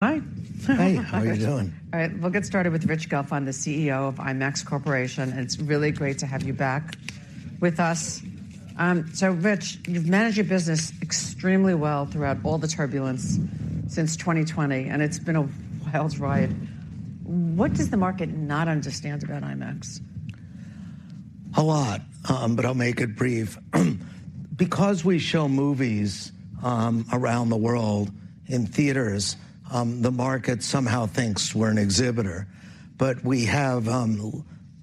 Hi. Hey, how are you doing? All right, we'll get started with Rich Gelfond, the CEO of IMAX Corporation, and it's really great to have you back with us. So Rich, you've managed your business extremely well throughout all the turbulence since 2020, and it's been a wild ride. What does the market not understand about IMAX? A lot, but I'll make it brief. Because we show movies around the world in theaters, the market somehow thinks we're an exhibitor. But we have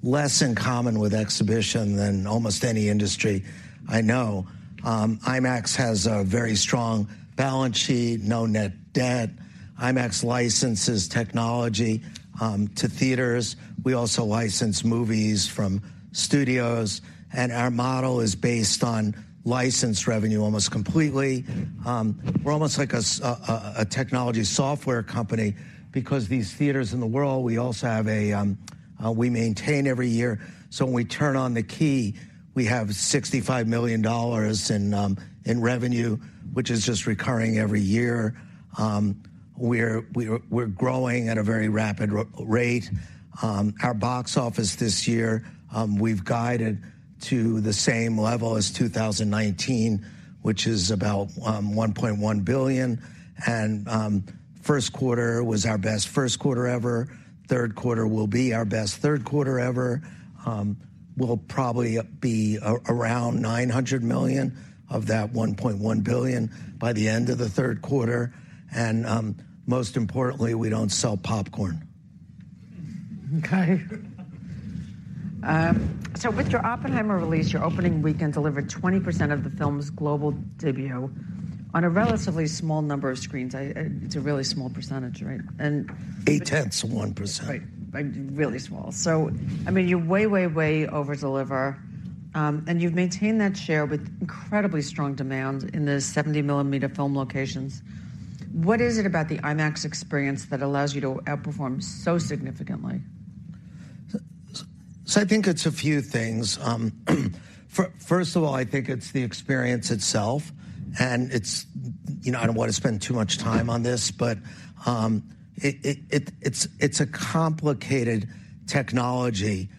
less in common with exhibition than almost any industry I know. IMAX has a very strong balance sheet, no net debt. IMAX licenses technology to theaters. We also license movies from studios, and our model is based on license revenue almost completely. We're almost like a technology software company because these theaters in the world, we also maintain every year. So when we turn on the key, we have $65 million in revenue, which is just recurring every year. We're growing at a very rapid rate. Our box office this year, we've guided to the same level as 2019, which is about $1.1 billion. First quarter was our best first quarter ever. Third quarter will be our best third quarter ever. We'll probably be around $900 million of that $1.1 billion by the end of the third quarter, and most importantly, we don't sell popcorn. Okay. So with your Oppenheimer release, your opening weekend delivered 20% of the film's global debut on a relatively small number of screens. It's a really small percentage, right? And- 0.8%. Right. Really small. So, I mean, you way, way, way over-deliver, and you've maintained that share with incredibly strong demand in the 70-mm film locations. What is it about the IMAX experience that allows you to outperform so significantly? So I think it's a few things. First of all, I think it's the experience itself, and it's. You know, I don't want to spend too much time on this, but, it's a complicated technology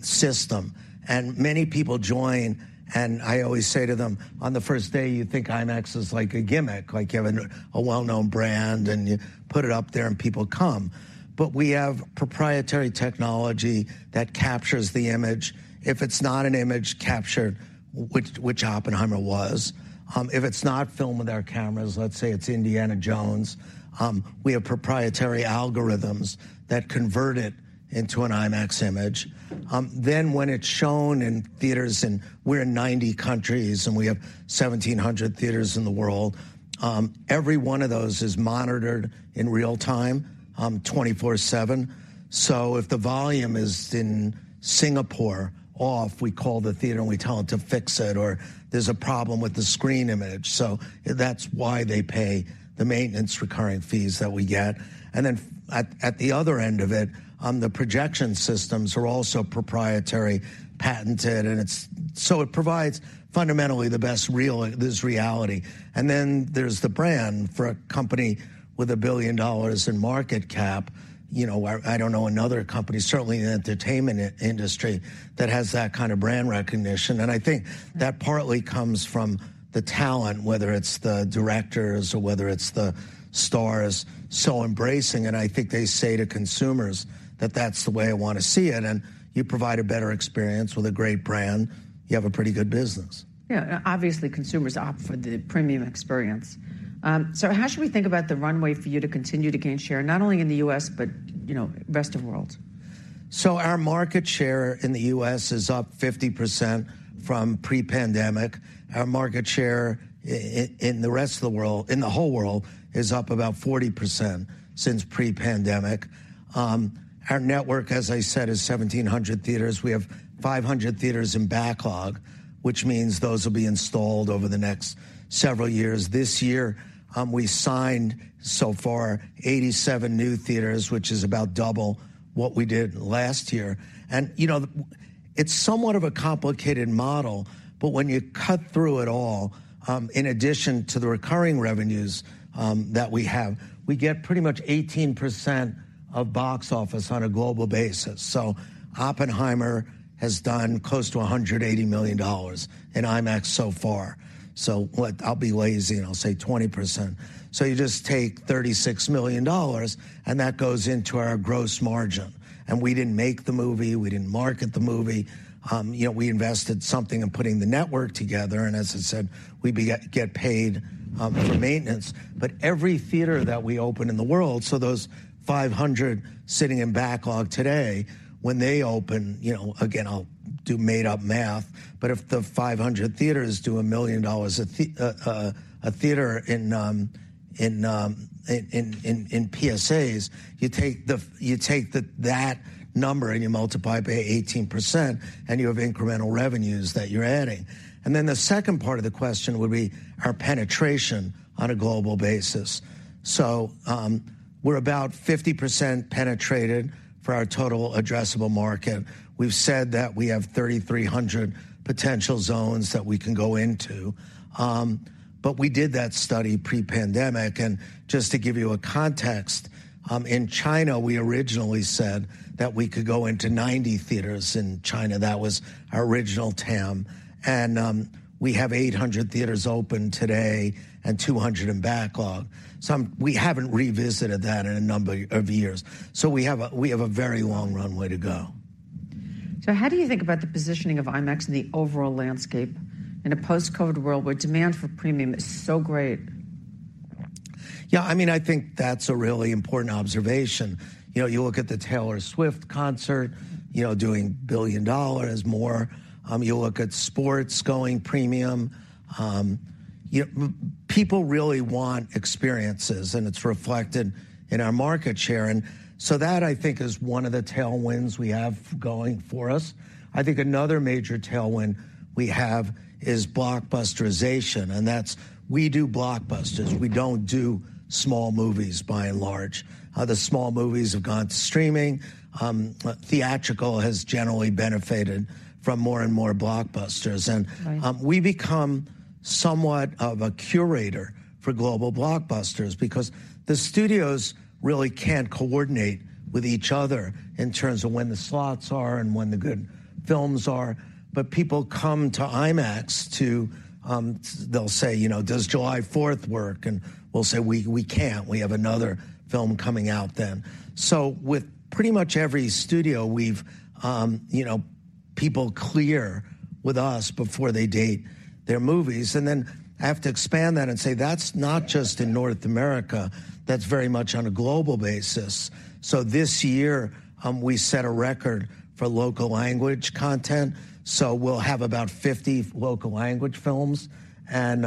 system, and many people join, and I always say to them, "On the first day, you think IMAX is like a gimmick, like you have a well-known brand, and you put it up there, and people come." But we have proprietary technology that captures the image. If it's not an image captured, which Oppenheimer was, if it's not filmed with our cameras, let's say it's Indiana Jones, we have proprietary algorithms that convert it into an IMAX image. Then when it's shown in theaters, and we're in 90 countries, and we have 1,700 theaters in the world, every one of those is monitored in real time, 24/7. So if the volume is in Singapore off, we call the theater, and we tell them to fix it, or there's a problem with the screen image, so that's why they pay the maintenance recurring fees that we get. And then at the other end of it, the projection systems are also proprietary, patented, and it's so it provides fundamentally the best real this reality. And then there's the brand. For a company with $1 billion in market cap, you know, I don't know another company, certainly in the entertainment industry, that has that kind of brand recognition. I think that partly comes from the talent, whether it's the directors or whether it's the stars, so embracing, and I think they say to consumers that that's the way I want to see it. You provide a better experience with a great brand, you have a pretty good business. Yeah. Obviously, consumers opt for the premium experience. So how should we think about the runway for you to continue to gain share, not only in the U.S., but, you know, rest of world? So our market share in the U.S. is up 50% from pre-pandemic. Our market share in the rest of the world, in the whole world, is up about 40% since pre-pandemic. Our network, as I said, is 1,700 theaters. We have 500 theaters in backlog, which means those will be installed over the next several years. This year, we signed so far 87 new theaters, which is about double what we did last year. And, you know, it's somewhat of a complicated model, but when you cut through it all, in addition to the recurring revenues that we have, we get pretty much 18% of box office on a global basis. So Oppenheimer has done close to $180 million in IMAX so far. So what, I'll be lazy, and I'll say 20%. So you just take $36 million, and that goes into our gross margin, and we didn't make the movie, we didn't market the movie. You know, we invested something in putting the network together, and as I said, we get paid for maintenance. But every theater that we open in the world, so those 500 sitting in backlog today, when they open, you know, again, I'll do made-up math, but if the 500 theaters do $1 million a theater in PSAs, you take that number, and you multiply by 18%, and you have incremental revenues that you're adding. And then the second part of the question would be our penetration on a global basis. We're about 50% penetrated for our total addressable market. We've said that we have 3,300 potential zones that we can go into. But we did that study pre-pandemic, and just to give you a context, in China, we originally said that we could go into 90 theaters in China. That was our original TAM, and, we have 800 theaters open today and 200 in backlog. We haven't revisited that in a number of years, so we have a, we have a very long runway to go. How do you think about the positioning of IMAX in the overall landscape in a post-COVID world where demand for premium is so great? Yeah, I mean, I think that's a really important observation. You know, you look at the Taylor Swift concert, you know, doing $1 billion more. You look at sports going premium. People really want experiences, and it's reflected in our market share, and so that, I think, is one of the tailwinds we have going for us. I think another major tailwind we have is blockbusterization, and that's we do blockbusters. We don't do small movies, by and large. The small movies have gone to streaming. Theatrical has generally benefited from more and more blockbusters. Right. And we become somewhat of a curator for global blockbusters because the studios really can't coordinate with each other in terms of when the slots are and when the good films are. But people come to IMAX to... They'll say, you know, "Does July 4 work?" And we'll say, "We, we can't. We have another film coming out then." So with pretty much every studio, we've, you know, people clear with us before they date their movies. And then I have to expand that and say, that's not just in North America. That's very much on a global basis. So this year, we set a record for local language content, so we'll have about 50 local language films. And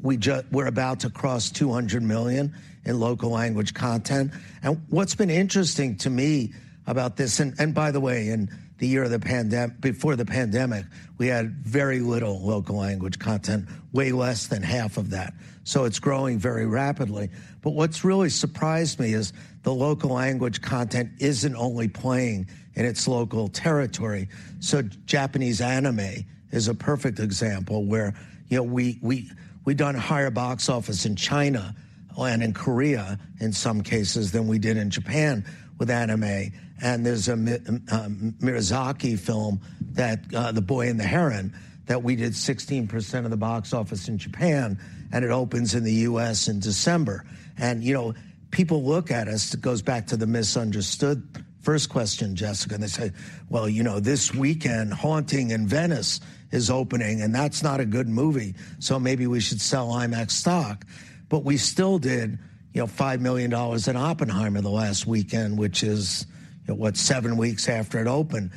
we're about to cross $200 million in local language content. And what's been interesting to me about this... And by the way, in the year before the pandemic, we had very little local language content, way less than half of that. So it's growing very rapidly. But what's really surprised me is the local language content isn't only playing in its local territory. So Japanese anime is a perfect example, where, you know, we've done higher box office in China and in Korea, in some cases, than we did in Japan with anime. And there's a Miyazaki film that, The Boy and the Heron, that we did 16% of the box office in Japan, and it opens in the U.S. in December. You know, people look at us, it goes back to the misunderstood first question, Jessica, and they say: "Well, you know, this weekend, Haunting in Venice is opening, and that's not a good movie, so maybe we should sell IMAX stock." But we still did, you know, $5 million in Oppenheimer the last weekend, which is, what, 7 weeks after it opened.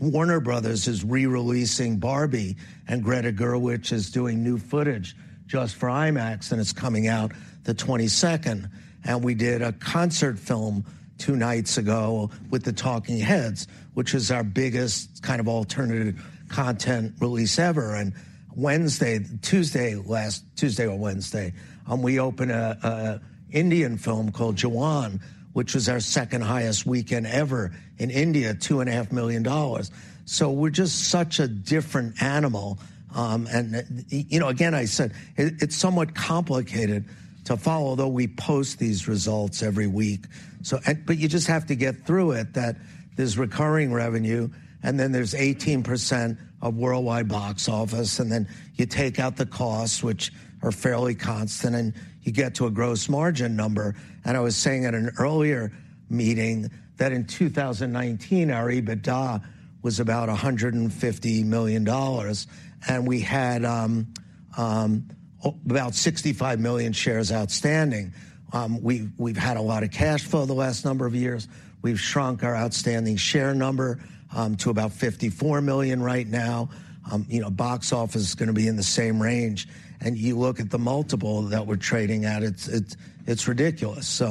Warner Bros. is re-releasing Barbie, and Greta Gerwig is doing new footage just for IMAX, and it's coming out the 22nd. We did a concert film two nights ago with the Talking Heads, which was our biggest kind of alternative content release ever. Last Tuesday or Wednesday, we opened an Indian film called Jawan, which was our second highest weekend ever in India, $2.5 million. So we're just such a different animal. And, you know, again, I said it's somewhat complicated to follow, though we post these results every week. So, but you just have to get through it, that there's recurring revenue, and then there's 18% of worldwide box office, and then you take out the costs, which are fairly constant, and you get to a gross margin number. And I was saying at an earlier meeting that in 2019, our EBITDA was about $150 million, and we had about 65 million shares outstanding. We've, we've had a lot of cash flow the last number of years. We've shrunk our outstanding share number to about 54 million right now. You know, box office is gonna be in the same range. And you look at the multiple that we're trading at, it's, it's, it's ridiculous.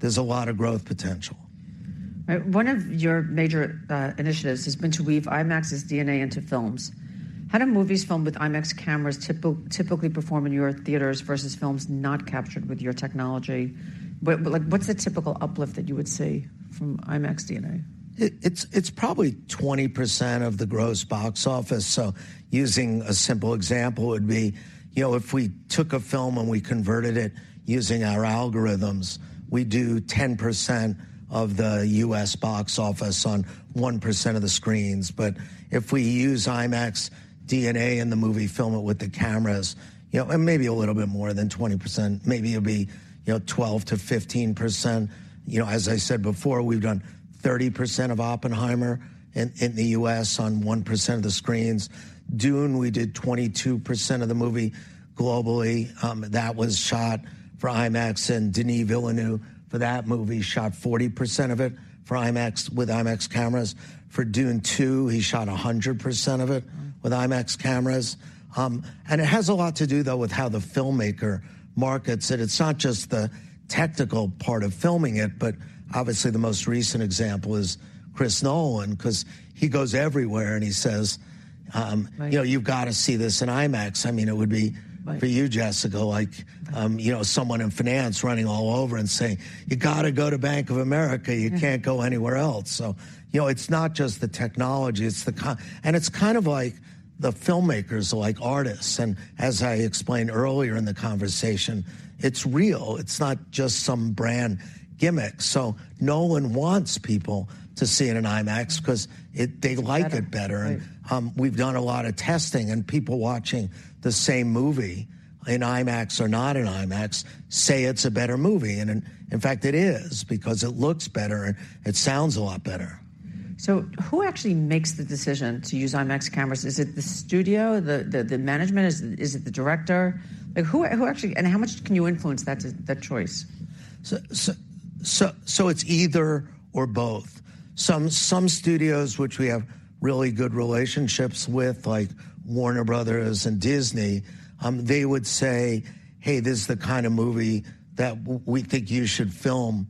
There's a lot of growth potential. One of your major initiatives has been to weave IMAX's DNA into films. How do movies filmed with IMAX cameras typically perform in your theaters versus films not captured with your technology? But, like, what's the typical uplift that you would see from IMAX DNA? It's probably 20% of the gross box office. So using a simple example would be, you know, if we took a film and we converted it using our algorithms, we do 10% of the U.S. box office on 1% of the screens. But if we use IMAX DNA in the movie, film it with the cameras, you know, it may be a little bit more than 20%. Maybe it'll be, you know, 12%-15%. You know, as I said before, we've done 30% of Oppenheimer in the U.S. on 1% of the screens. Dune, we did 22% of the movie globally. That was shot for IMAX, and Denis Villeneuve, for that movie, shot 40% of it for IMAX with IMAX cameras. For Dune Two, he shot 100% of it- Wow! with IMAX cameras. And it has a lot to do, though, with how the filmmaker markets it. It's not just the technical part of filming it, but obviously, the most recent example is Chris Nolan, 'cause he goes everywhere, and he says, Right. You know, you've got to see this in IMAX." I mean, it would be- Right... for you, Jessica, like, you know, someone in finance running all over and saying, "You got to go to Bank of America. Yeah. You can't go anywhere else." So, you know, it's not just the technology, it's the co- and it's kind of like the filmmakers are like artists. And as I explained earlier in the conversation, it's real. It's not just some brand gimmick. So Nolan wants people to see it in IMAX 'cause it- Better... they like it better. Right. We've done a lot of testing, and people watching the same movie in IMAX or not in IMAX say it's a better movie. And in fact, it is because it looks better and it sounds a lot better.... So who actually makes the decision to use IMAX cameras? Is it the studio, the management? Is it the director? Like, who actually, and how much can you influence that choice? So it's either or both. Some studios which we have really good relationships with, like Warner Bros. and Disney, they would say, "Hey, this is the kind of movie that we think you should film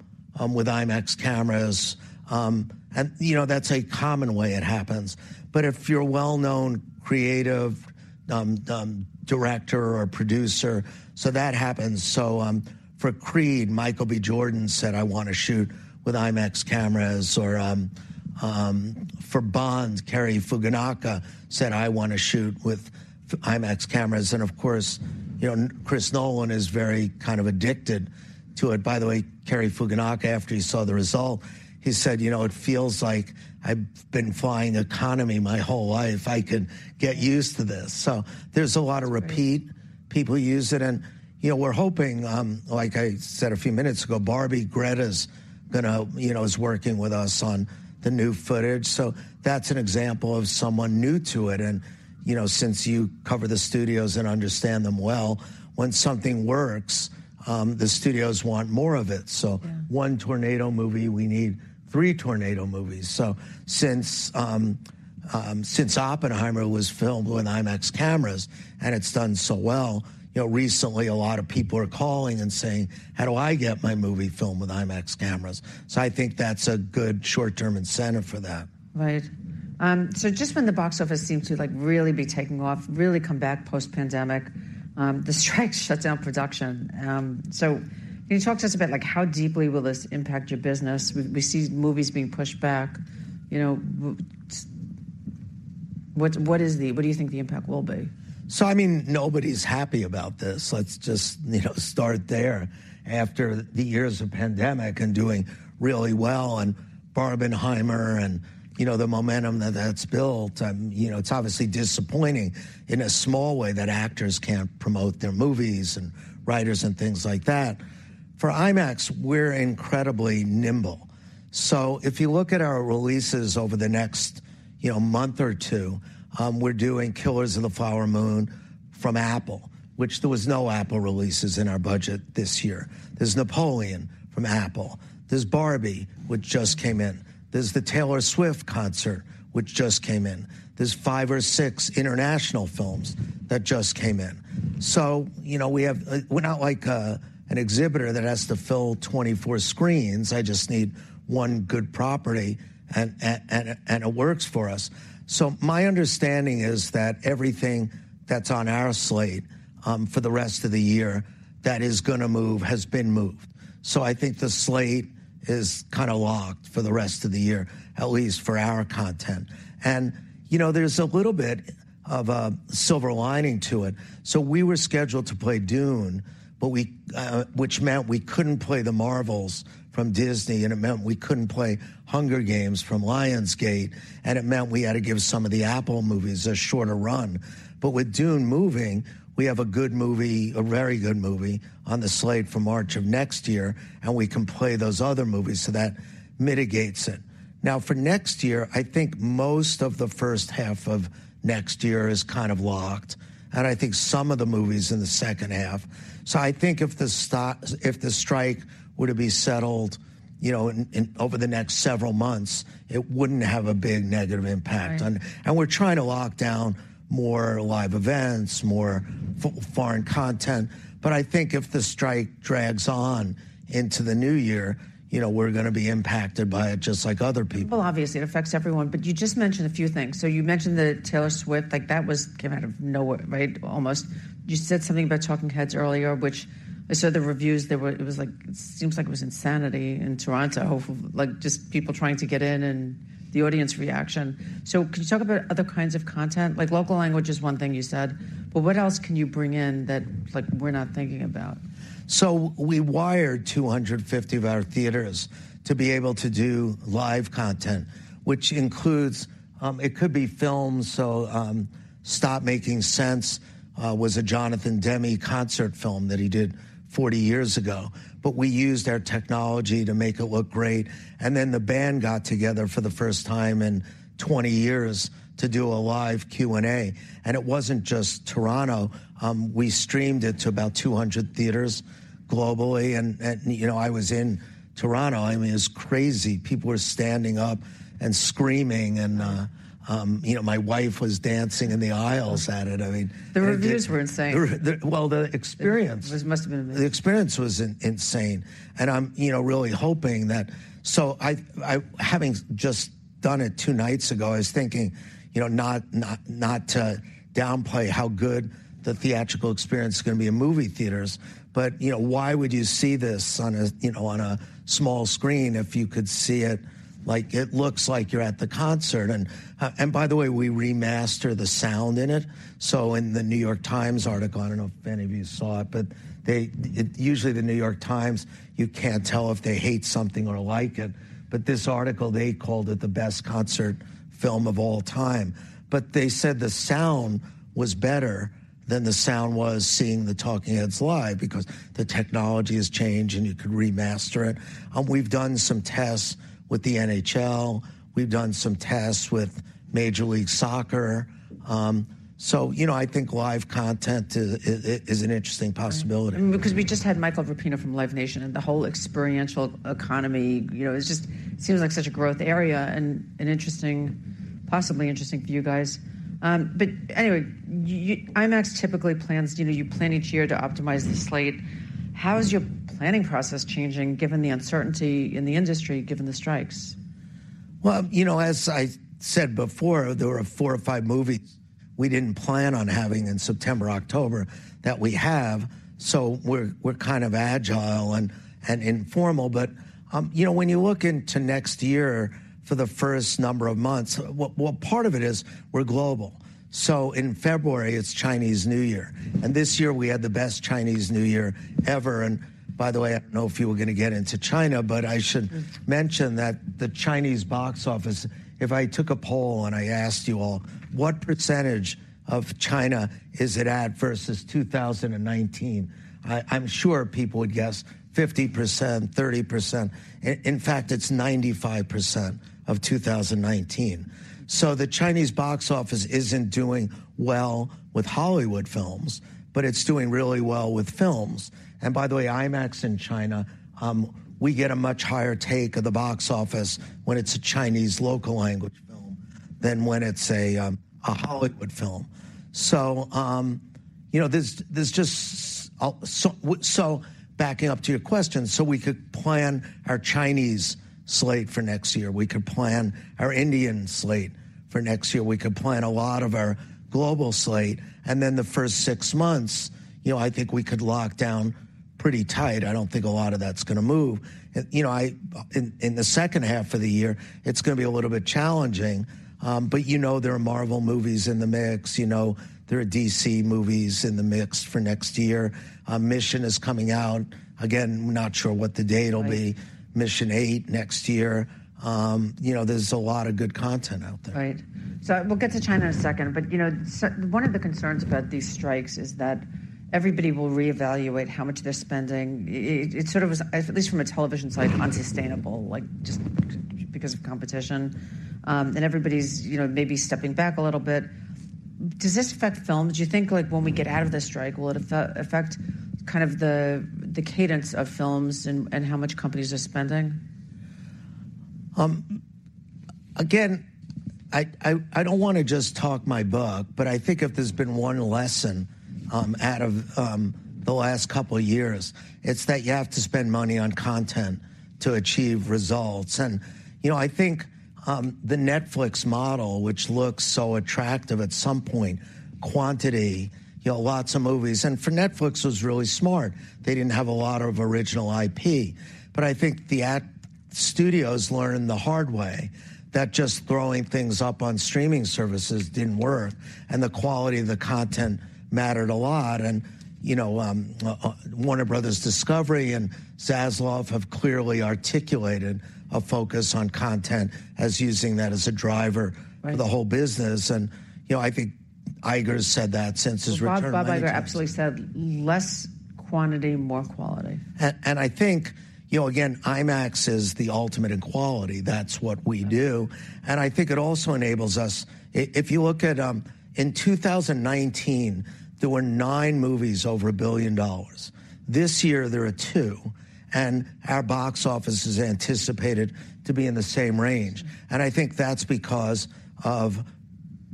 with IMAX cameras." And, you know, that's a common way it happens. But if you're a well-known creative director or producer, so that happens. So, for Creed, Michael B. Jordan said, "I wanna shoot with IMAX cameras." Or, for Bond, Cary Fukunaga said, "I wanna shoot with IMAX cameras." And of course, you know, Chris Nolan is very kind of addicted to it. By the way, Cary Fukunaga, after he saw the result, he said: "You know, it feels like I've been flying economy my whole life. I could get used to this." So there's a lot of repeat. That's right. People use it, and, you know, we're hoping, like I said a few minutes ago, Barbie, Greta's gonna... You know, is working with us on the new footage. So that's an example of someone new to it, and, you know, since you cover the studios and understand them well, when something works, the studios want more of it. Yeah. So one tornado movie, we need three tornado movies. So since Oppenheimer was filmed with IMAX cameras, and it's done so well, you know, recently, a lot of people are calling and saying: "How do I get my movie filmed with IMAX cameras?" So I think that's a good short-term incentive for that. Right. So just when the box office seemed to, like, really be taking off, really come back post-pandemic, the strike shut down production. So can you talk to us about, like, how deeply will this impact your business? We see movies being pushed back. You know, what do you think the impact will be? So, I mean, nobody's happy about this. Let's just, you know, start there. After the years of pandemic and doing really well and Barbenheimer and, you know, the momentum that that's built, you know, it's obviously disappointing in a small way that actors can't promote their movies and writers and things like that. For IMAX, we're incredibly nimble. So if you look at our releases over the next, you know, month or two, we're doing Killers of the Flower Moon from Apple, which there was no Apple releases in our budget this year. There's Napoleon from Apple. There's Barbie, which just came in. There's the Taylor Swift concert, which just came in. There's 5 or 6 international films that just came in. So, you know, we have... We're not like an exhibitor that has to fill 24 screens. I just need one good property, and it works for us. So my understanding is that everything that's on our slate for the rest of the year that is gonna move has been moved. So I think the slate is kinda locked for the rest of the year, at least for our content. And, you know, there's a little bit of a silver lining to it. So we were scheduled to play Dune, but, which meant we couldn't play The Marvels from Disney, and it meant we couldn't play The Hunger Games from Lionsgate, and it meant we had to give some of the Apple movies a shorter run. But with Dune moving, we have a good movie, a very good movie, on the slate for March of next year, and we can play those other movies, so that mitigates it. Now, for next year, I think most of the first half of next year is kind of locked, and I think some of the movies in the second half. So I think if the strike were to be settled, you know, in over the next several months, it wouldn't have a big negative impact on- Right. We're trying to lock down more live events, more foreign content, but I think if the strike drags on into the new year, you know, we're gonna be impacted by it, just like other people. Well, obviously, it affects everyone, but you just mentioned a few things. So you mentioned the Taylor Swift. Like, that came out of nowhere, right? Almost. You said something about Talking Heads earlier, which I saw the reviews. It was like, it seems like it was insanity in Toronto. Like, just people trying to get in and the audience reaction. So can you talk about other kinds of content? Like, local language is one thing you said, but what else can you bring in that, like, we're not thinking about? So we wired 250 of our theaters to be able to do live content, which includes. It could be films. So, Stop Making Sense was a Jonathan Demme concert film that he did 40 years ago, but we used our technology to make it look great. And then the band got together for the first time in 20 years to do a live Q&A. And it wasn't just Toronto. We streamed it to about 200 theaters globally. And, you know, I was in Toronto. I mean, it was crazy. People were standing up and screaming, and, you know, my wife was dancing in the aisles at it. I mean- The reviews were insane. Well, the experience- It must have been amazing. The experience was insane, and I'm, you know, really hoping that... So I, having just done it two nights ago, I was thinking, you know, not to downplay how good the theatrical experience is gonna be in movie theaters, but, you know, why would you see this on a, you know, on a small screen if you could see it like it looks like you're at the concert? And by the way, we remastered the sound in it. So in the New York Times article, I don't know if any of you saw it, but usually the New York Times, you can tell if they hate something or like it, but this article, they called it the best concert film of all time. But they said the sound was better-... than the sound was seeing the talking heads live, because the technology has changed, and you could remaster it. We've done some tests with the NHL. We've done some tests with Major League Soccer. So, you know, I think live content is an interesting possibility. Right. Because we just had Michael Rapino from Live Nation, and the whole experiential economy, you know, is just seems like such a growth area and an interesting, possibly interesting for you guys. But anyway, IMAX typically plans, you know, you plan each year to optimize the slate. How is your planning process changing, given the uncertainty in the industry, given the strikes? Well, you know, as I said before, there were four or five movies we didn't plan on having in September, October, that we have, so we're, we're kind of agile and, and informal. But, you know, when you look into next year for the first number of months, what, what part of it is, we're global. So in February, it's Chinese New Year, and this year we had the best Chinese New Year ever, and by the way, I don't know if you were gonna get into China, but I should- Mm... mention that the Chinese box office, if I took a poll and I asked you all, "What percentage of China is it at versus 2019?" I, I'm sure people would guess 50%, 30%. In fact, it's 95% of 2019. So the Chinese box office isn't doing well with Hollywood films, but it's doing really well with films. And by the way, IMAX in China, we get a much higher take of the box office when it's a Chinese local language film than when it's a Hollywood film. So, you know, there's just so backing up to your question, so we could plan our Chinese slate for next year. We could plan our Indian slate for next year. We could plan a lot of our global slate, and then the first six months, you know, I think we could lock down pretty tight. I don't think a lot of that's gonna move. You know, in the second half of the year, it's gonna be a little bit challenging, but you know, there are Marvel movies in the mix. You know, there are DC movies in the mix for next year. Mission is coming out. Again, we're not sure what the date will be. Right. Mission VIII next year. You know, there's a lot of good content out there. Right. So we'll get to China in a second, but, you know, so one of the concerns about these strikes is that everybody will reevaluate how much they're spending. It sort of was, at least from a television side, unsustainable, like, just because of competition. And everybody's, you know, maybe stepping back a little bit. Does this affect film? Do you think, like, when we get out of this strike, will it affect kind of the cadence of films and how much companies are spending? Again, I don't wanna just talk my book, but I think if there's been one lesson out of the last couple of years, it's that you have to spend money on content to achieve results. You know, I think the Netflix model, which looks so attractive at some point, quantity, you know, lots of movies, and for Netflix, it was really smart. They didn't have a lot of original IP. But I think the ad studios learned the hard way that just throwing things up on streaming services didn't work, and the quality of the content mattered a lot. You know, Warner Bros. Discovery and Zaslav have clearly articulated a focus on content as using that as a driver- Right... for the whole business. You know, I think Iger has said that since his return- Well, Bob, Bob Iger actually said, "less quantity, more quality. And I think, you know, again, IMAX is the ultimate in quality. That's what we do. Right. I think it also enables us. If you look at, in 2019, there were 9 movies over $1 billion. This year, there are 2, and our box office is anticipated to be in the same range. I think that's because of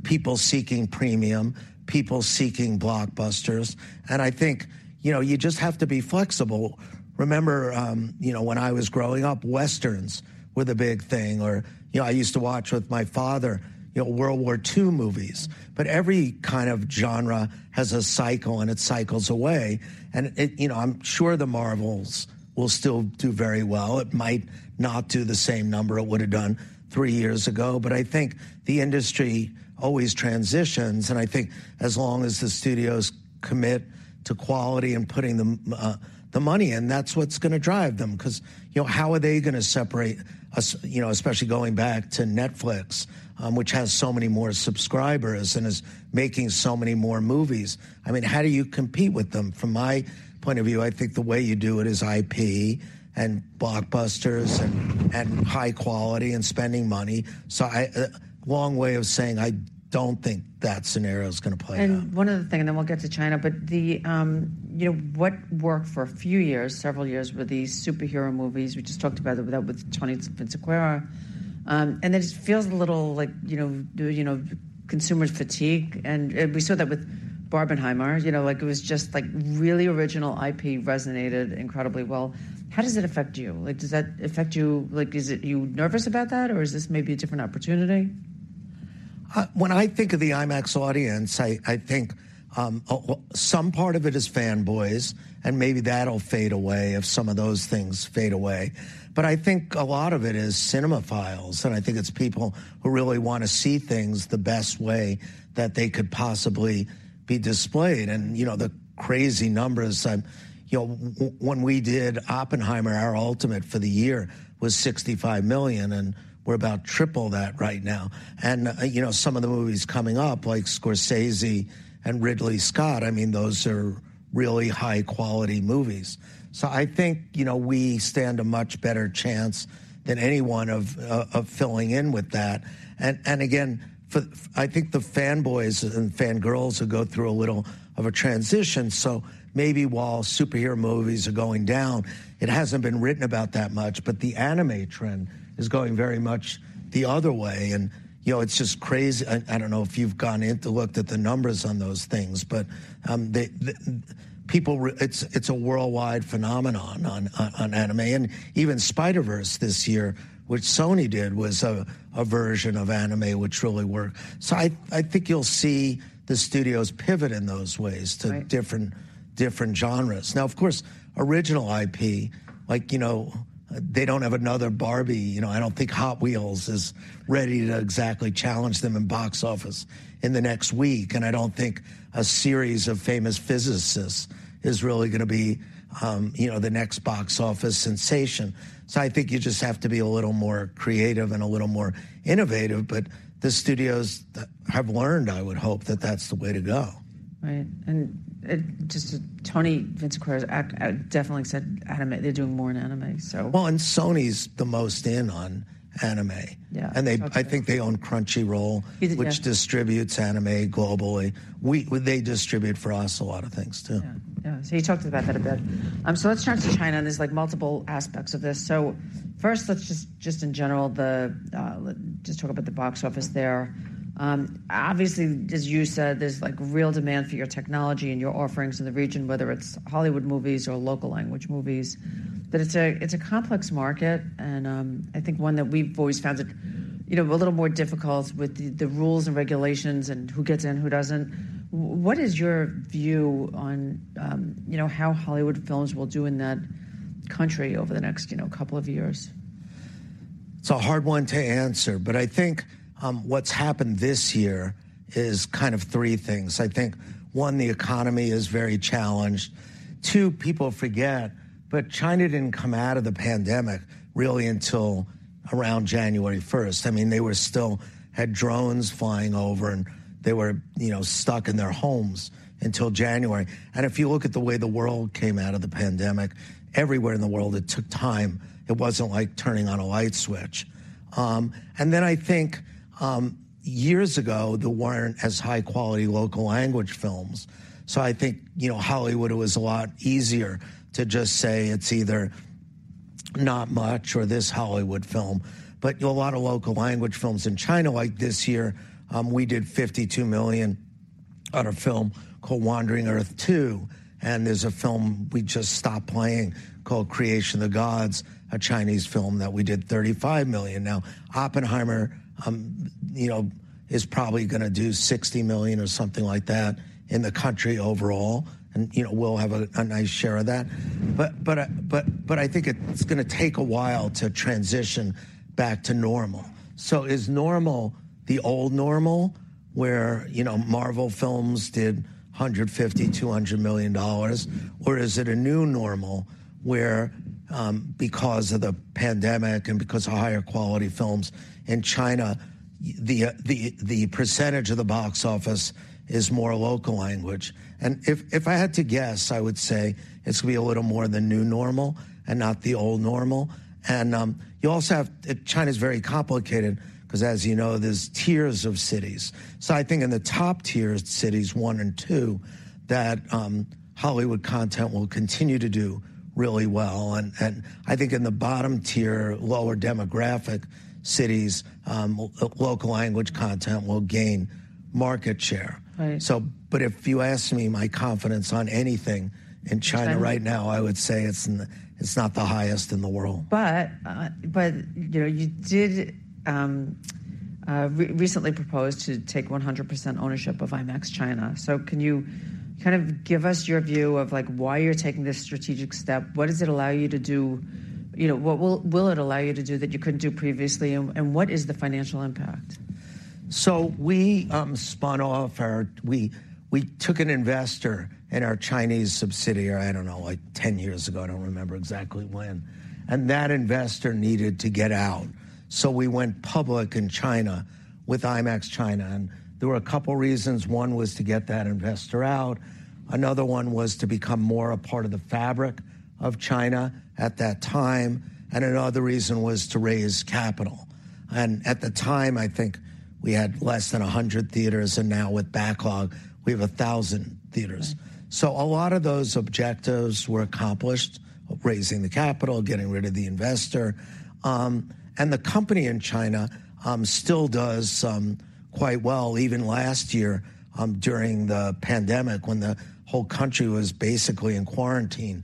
people seeking premium, people seeking blockbusters. And I think, you know, you just have to be flexible. Remember, you know, when I was growing up, Westerns were the big thing, or, you know, I used to watch with my father, you know, World War II movies. But every kind of genre has a cycle, and it cycles away. It cycles away. You know, I'm sure The Marvels will still do very well. It might not do the same number it would have done three years ago, but I think the industry always transitions, and I think as long as the studios commit to quality and putting the, the money in, that's what's gonna drive them. 'Cause, you know, how are they gonna separate us, you know, especially going back to Netflix, which has so many more subscribers and is making so many more movies? I mean, how do you compete with them? From my point of view, I think the way you do it is IP and blockbusters and, and high quality and spending money. So I, long way of saying I don't think that scenario is gonna play out. And one other thing, and then we'll get to China, but the, you know, what worked for a few years, several years, were these superhero movies. We just talked about that with Tony Vinciquerra. And it just feels a little like, you know, you know, consumer fatigue, and, and we saw that with Barbenheimer. You know, like, it was just, like, really original IP resonated incredibly well. How does it affect you? Like, does that affect you? Like, is it you nervous about that, or is this maybe a different opportunity? When I think of the IMAX audience, I think some part of it is fanboys, and maybe that'll fade away if some of those things fade away. But I think a lot of it is cinemaphiles, and I think it's people who really wanna see things the best way that they could possibly be displayed. And, you know, the crazy numbers, you know, when we did Oppenheimer, our ultimate for the year was $65 million, and we're about triple that right now. And, you know, some of the movies coming up, like Scorsese and Ridley Scott, I mean, those are really high-quality movies. So I think, you know, we stand a much better chance than anyone of filling in with that. And, again, I think the fanboys and fangirls will go through a little of a transition. So maybe while superhero movies are going down, it hasn't been written about that much, but the anime trend is going very much the other way, and, you know, it's just crazy. I don't know if you've gone in to look at the numbers on those things, but it's a worldwide phenomenon on anime. And even Spider-Verse this year, which Sony did, was a version of anime, which really worked. So I think you'll see the studios pivot in those ways- Right... to different genres. Now, of course, original IP, like, you know, they don't have another Barbie. You know, I don't think Hot Wheels is ready to exactly challenge them in box office in the next week, and I don't think a series of famous physicists is really gonna be, you know, the next box office sensation. So I think you just have to be a little more creative and a little more innovative. But the studios have learned, I would hope, that that's the way to go. Right. And it just, Tony Vinciquerra definitely said anime. They're doing more in anime, so. Well, and Sony's the most in on anime. Yeah. And they- Okay.... I think they own Crunchyroll- Yeah... which distributes anime globally. We, well, they distribute for us a lot of things, too. Yeah. Yeah, so you talked about that a bit. So let's turn to China, and there's, like, multiple aspects of this. So first, let's just, just in general, the... let's just talk about the box office there. Obviously, as you said, there's, like, real demand for your technology and your offerings in the region, whether it's Hollywood movies or local language movies. But it's a, it's a complex market, and, I think one that we've always found it, you know, a little more difficult with the, the rules and regulations and who gets in, who doesn't. What is your view on, you know, how Hollywood films will do in that country over the next, you know, couple of years? It's a hard one to answer, but I think what's happened this year is kind of three things. I think, one, the economy is very challenged. Two, people forget, but China didn't come out of the pandemic really until around January 1st. I mean, they were still had drones flying over, and they were, you know, stuck in their homes until January. And if you look at the way the world came out of the pandemic, everywhere in the world, it took time. It wasn't like turning on a light switch. And then I think years ago, there weren't as high quality local language films. So I think, you know, Hollywood, it was a lot easier to just say, "It's either not much or this Hollywood film." But, you know, a lot of local language films in China, like this year, we did $52 million on a film called Wandering Earth 2. And there's a film we just stopped playing called Creation of the Gods, a Chinese film that we did $35 million. Now, Oppenheimer, you know, is probably gonna do $60 million or something like that in the country overall. And, you know, we'll have a nice share of that. But, but, but, but I think it's gonna take a while to transition back to normal. So is normal the old normal, where, you know, Marvel films did $150 million, $200 million? Or is it a new normal, where, because of the pandemic and because of higher quality films in China, the percentage of the box office is more local language? And if I had to guess, I would say it's gonna be a little more the new normal and not the old normal. And you also have... China's very complicated 'cause, as you know, there's tiers of cities. So I think in the top-tier cities, one and two, that Hollywood content will continue to do really well. And I think in the bottom-tier, lower-demographic cities, local language content will gain market share. Right. If you ask me, my confidence on anything in China— China... right now, I would say it's in the, it's not the highest in the world. But, you know, you did recently propose to take 100% ownership of IMAX China. So can you kind of give us your view of, like, why you're taking this strategic step? What does it allow you to do? You know, what will it allow you to do that you couldn't do previously, and what is the financial impact? So we took an investor in our Chinese subsidiary, I don't know, like, 10 years ago. I don't remember exactly when. And that investor needed to get out. So we went public in China with IMAX China, and there were a couple reasons. One was to get that investor out, another one was to become more a part of the fabric of China at that time, and another reason was to raise capital. And at the time, I think we had less than 100 theaters, and now with backlog, we have 1,000 theaters. Right. So a lot of those objectives were accomplished, raising the capital, getting rid of the investor. And the company in China still does quite well. Even last year, during the pandemic, when the whole country was basically in quarantine,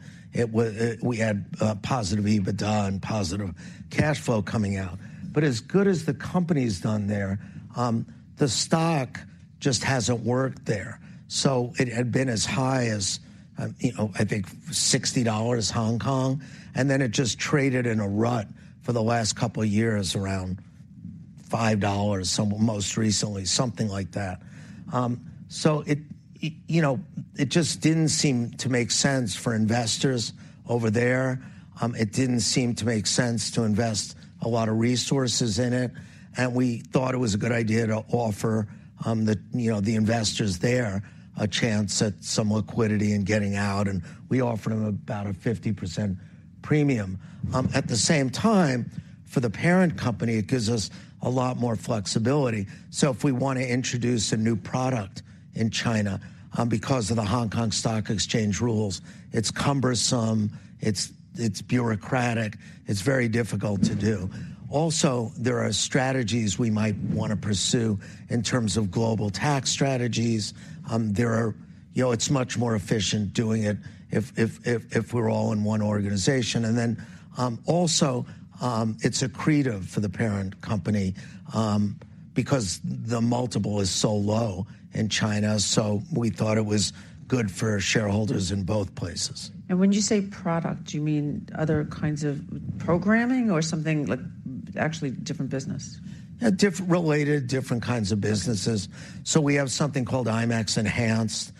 we had positive EBITDA and positive cash flow coming out. But as good as the company's done there, the stock just hasn't worked there. So it had been as high as, you know, I think 60 Hong Kong dollars, and then it just traded in a rut for the last couple years, around 5 dollars most recently, something like that. So it, you know, it just didn't seem to make sense for investors over there. It didn't seem to make sense to invest a lot of resources in it, and we thought it was a good idea to offer you know, the investors there a chance at some liquidity and getting out, and we offer them about a 50% premium. At the same time, for the parent company, it gives us a lot more flexibility. So if we want to introduce a new product in China, because of the Hong Kong Stock Exchange rules, it's cumbersome, it's bureaucratic, it's very difficult to do. Also, there are strategies we might want to pursue in terms of global tax strategies. You know, it's much more efficient doing it if we're all in one organization. Also, it's accretive for the parent company, because the multiple is so low in China, so we thought it was good for shareholders in both places. When you say product, do you mean other kinds of programming or something like actually different business? Yeah, related, different kinds of businesses. Okay. So we have something called IMAX Enhanced,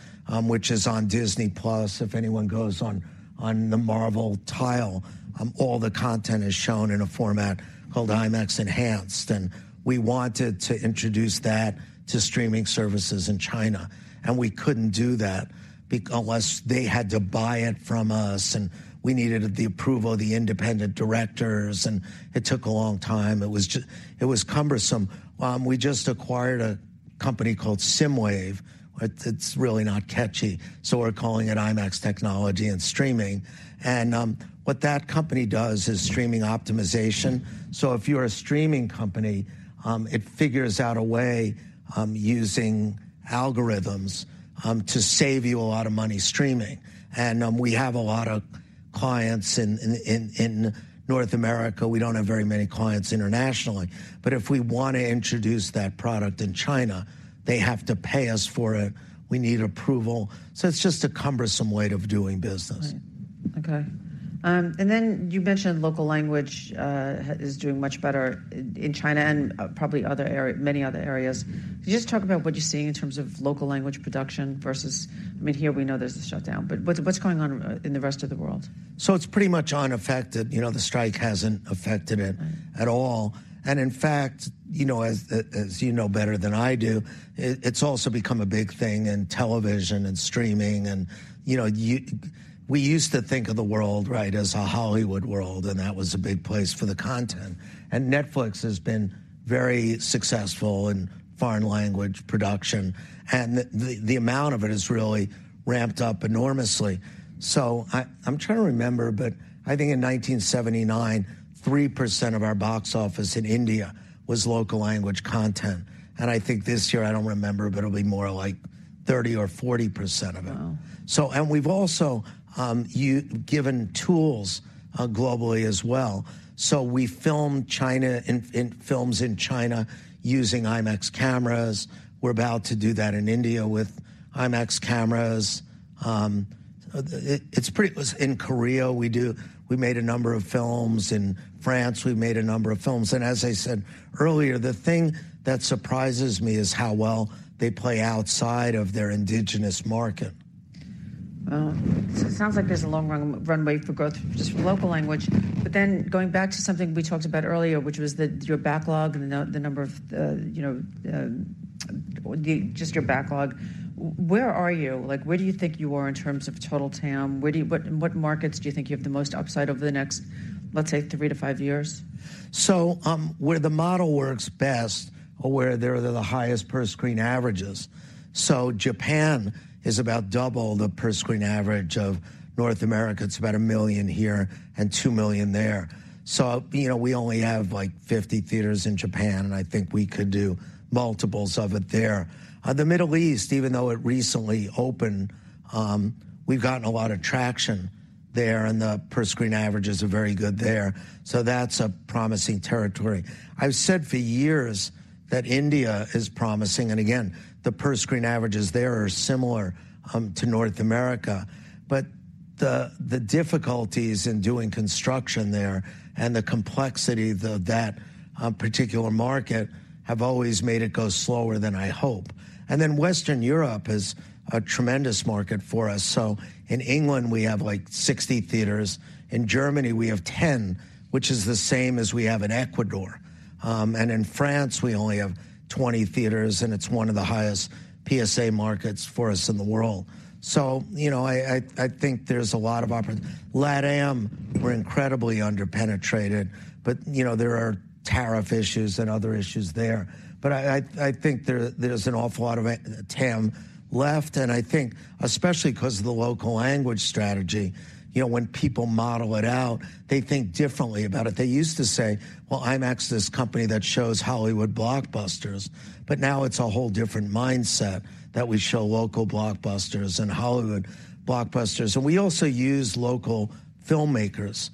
which is on Disney+. If anyone goes on the Marvel tile, all the content is shown in a format called IMAX Enhanced, and we wanted to introduce that to streaming services in China, and we couldn't do that unless they had to buy it from us, and we needed the approval of the independent directors, and it took a long time. It was cumbersome. We just acquired a company called SSIMWAVE. But it's really not catchy, so we're calling it IMAX Technology and Streaming. And what that company does is streaming optimization. So if you're a streaming company, it figures out a way using algorithms to save you a lot of money streaming. And we have a lot of clients in North America. We don't have very many clients internationally. But if we want to introduce that product in China, they have to pay us for it. We need approval. So it's just a cumbersome way of doing business. Right. Okay. And then you mentioned local language is doing much better in China and probably many other areas. Can you just talk about what you're seeing in terms of local language production versus—I mean, here we know there's a shutdown, but what's going on in the rest of the world? It's pretty much unaffected. You know, the strike hasn't affected it- Right... at all. And in fact, you know, as, as you know better than I do, it, it's also become a big thing in television and streaming and, you know, y-- We used to think of the world, right, as a Hollywood world, and that was a big place for the content. And Netflix has been very successful in foreign language production, and the amount of it has really ramped up enormously. So I'm trying to remember, but I think in 1979, 3% of our box office in India was local language content. And I think this year, I don't remember, but it'll be more like 30% or 40% of it. Wow! We've also given tools globally as well. We film in China, films in China using IMAX cameras. We're about to do that in India with IMAX cameras. It's pretty. In Korea, we made a number of films. In France, we've made a number of films. And as I said earlier, the thing that surprises me is how well they play outside of their indigenous market. Oh, so it sounds like there's a long runway for growth just from local language. But then going back to something we talked about earlier, which was the your backlog and the number of, you know, just your backlog, where are you? Like, where do you think you are in terms of total TAM? Where do you-- What, what markets do you think you have the most upside over the next, let's say, 3-5 years? So, where the model works best are where there are the highest per-screen averages. So Japan is about double the per-screen average of North America. It's about $1 million here and $2 million there. So, you know, we only have, like, 50 theaters in Japan, and I think we could do multiples of it there. The Middle East, even though it recently opened, we've gotten a lot of traction there, and the per-screen averages are very good there. So that's a promising territory. I've said for years that India is promising, and again, the per-screen averages there are similar to North America. But the difficulties in doing construction there and the complexity of that particular market have always made it go slower than I hope. And then Western Europe is a tremendous market for us. So in England, we have, like, 60 theaters. In Germany, we have 10, which is the same as we have in Ecuador. And in France, we only have 20 theaters, and it's one of the highest PSA markets for us in the world. So, you know, I think there's a lot of opportunities. LATAM, we're incredibly under-penetrated, but, you know, there are tariff issues and other issues there. But I think there, there's an awful lot of TAM left, and I think especially because of the local language strategy, you know, when people model it out, they think differently about it. They used to say: "Well, IMAX is this company that shows Hollywood blockbusters." But now it's a whole different mindset that we show local blockbusters and Hollywood blockbusters. So we also use local filmmakers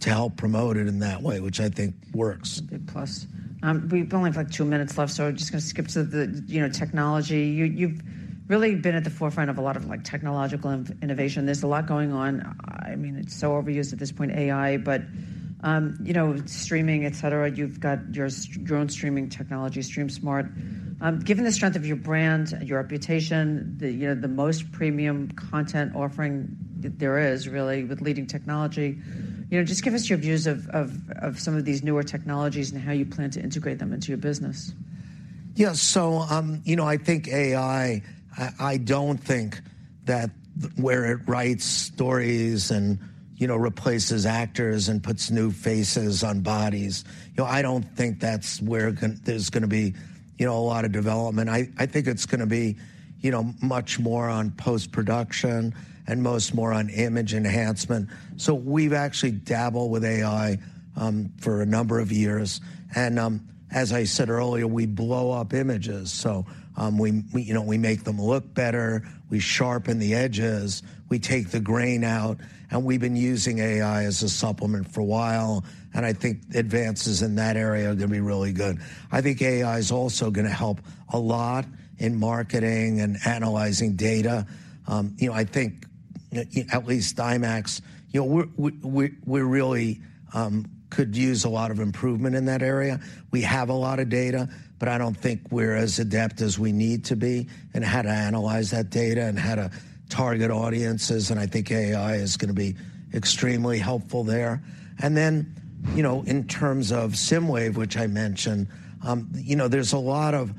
to help promote it in that way, which I think works. Big plus. We've only have, like, two minutes left, so I'm just gonna skip to the, you know, technology. You've really been at the forefront of a lot of, like, technological innovation. There's a lot going on. I mean, it's so overused at this point, AI, but, you know, streaming, et cetera, you've got your StreamSmart streaming technology. Given the strength of your brand, your reputation, the, you know, the most premium content offering that there is, really, with leading technology, you know, just give us your views of some of these newer technologies and how you plan to integrate them into your business.... Yeah, so, you know, I think AI, I don't think that where it writes stories and, you know, replaces actors and puts new faces on bodies, you know, I don't think that's where there's gonna be, you know, a lot of development. I think it's gonna be, you know, much more on post-production and much more on image enhancement. So we've actually dabbled with AI for a number of years, and, as I said earlier, we blow up images. So, we, you know, we make them look better, we sharpen the edges, we take the grain out, and we've been using AI as a supplement for a while, and I think advances in that area are gonna be really good. I think AI is also gonna help a lot in marketing and analyzing data. You know, I think at least IMAX, you know, we really could use a lot of improvement in that area. We have a lot of data, but I don't think we're as adept as we need to be in how to analyze that data and how to target audiences, and I think AI is gonna be extremely helpful there. And then, you know, in terms of SSIMWAVE, which I mentioned, you know, there's a lot of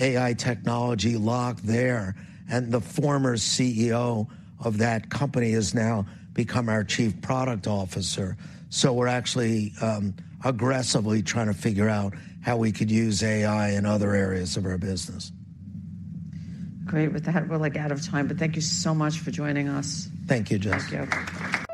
AI technology locked there, and the former CEO of that company has now become our Chief Product Officer. So we're actually aggressively trying to figure out how we could use AI in other areas of our business. Great. With that, we're like out of time, but thank you so much for joining us. Thank you, Jessica. Thank you.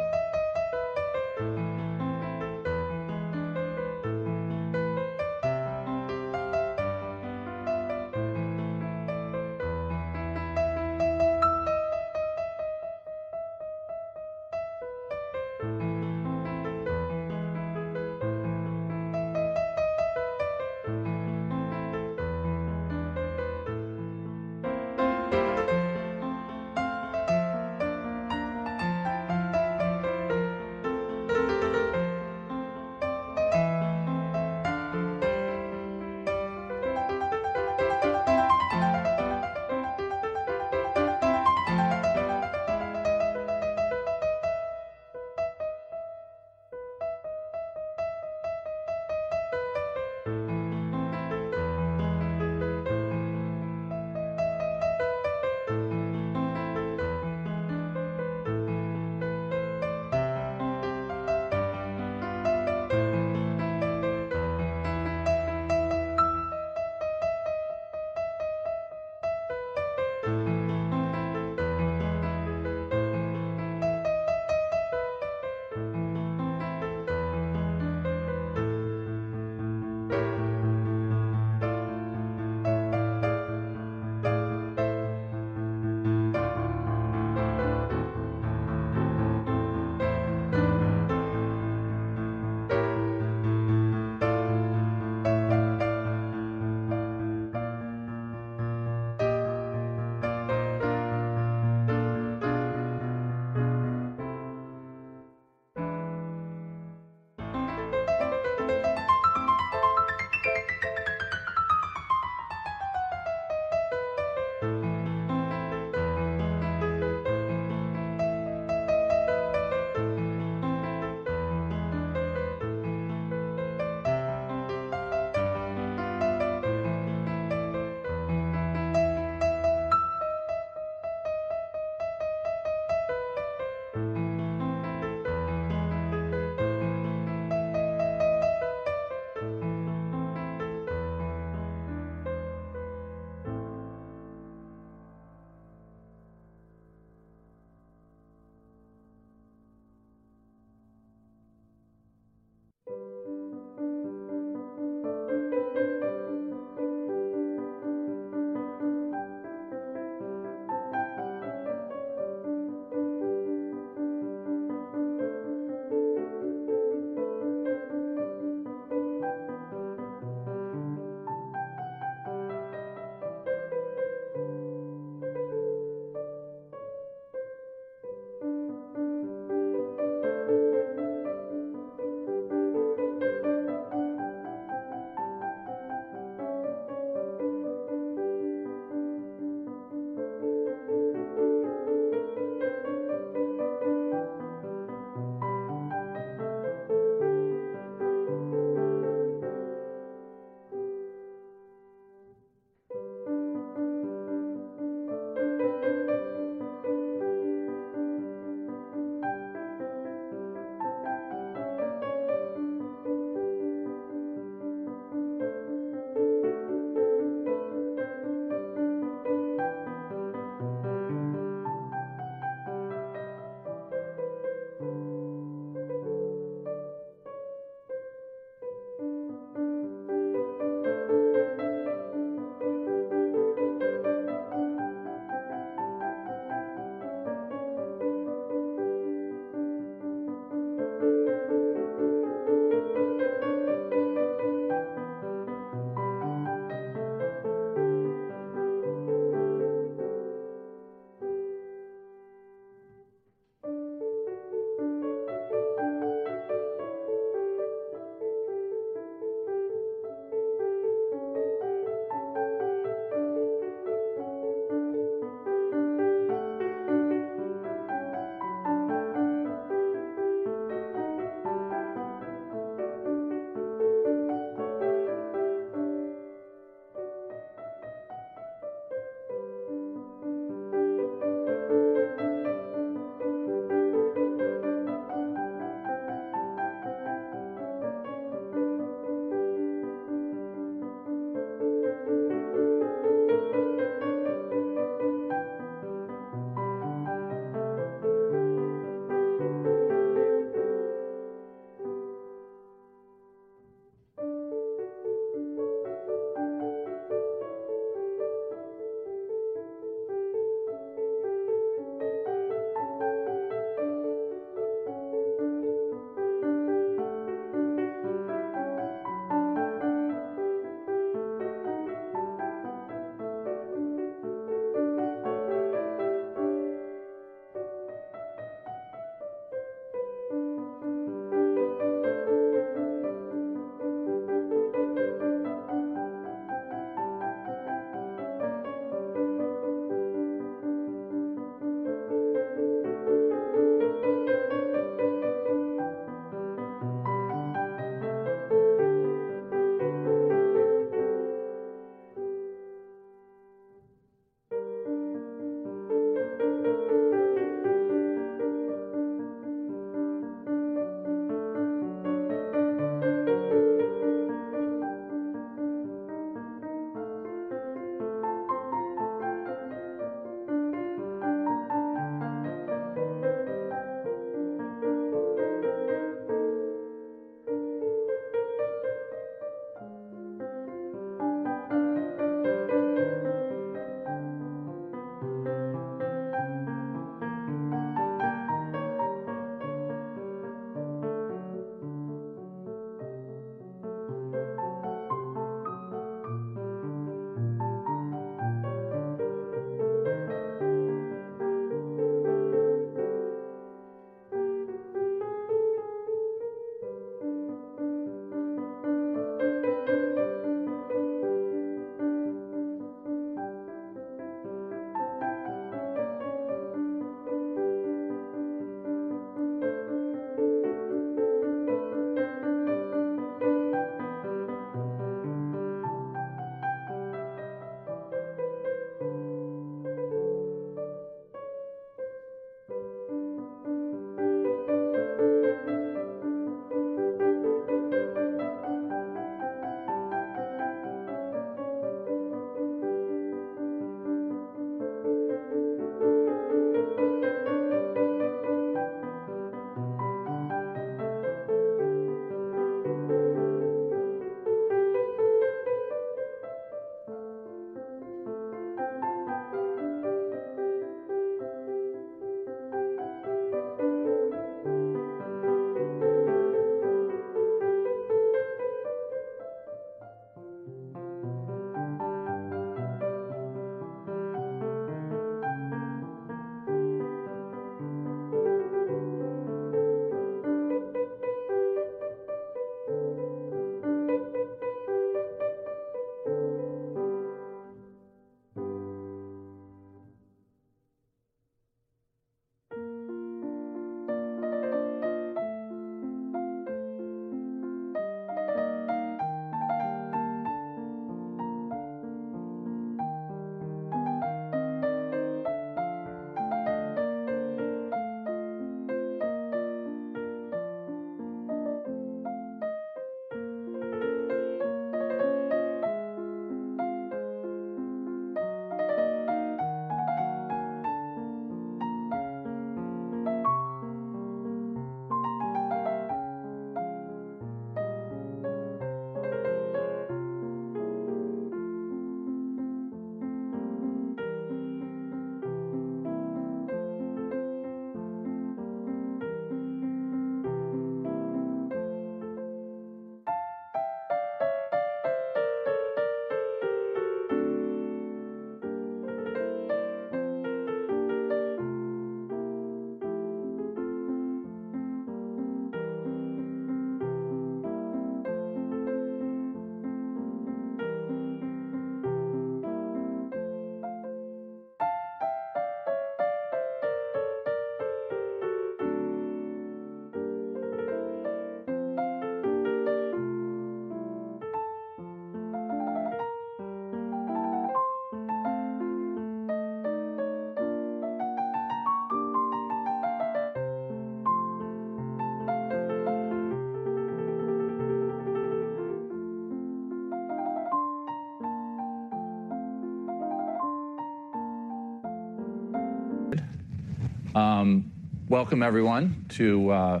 Welcome everyone to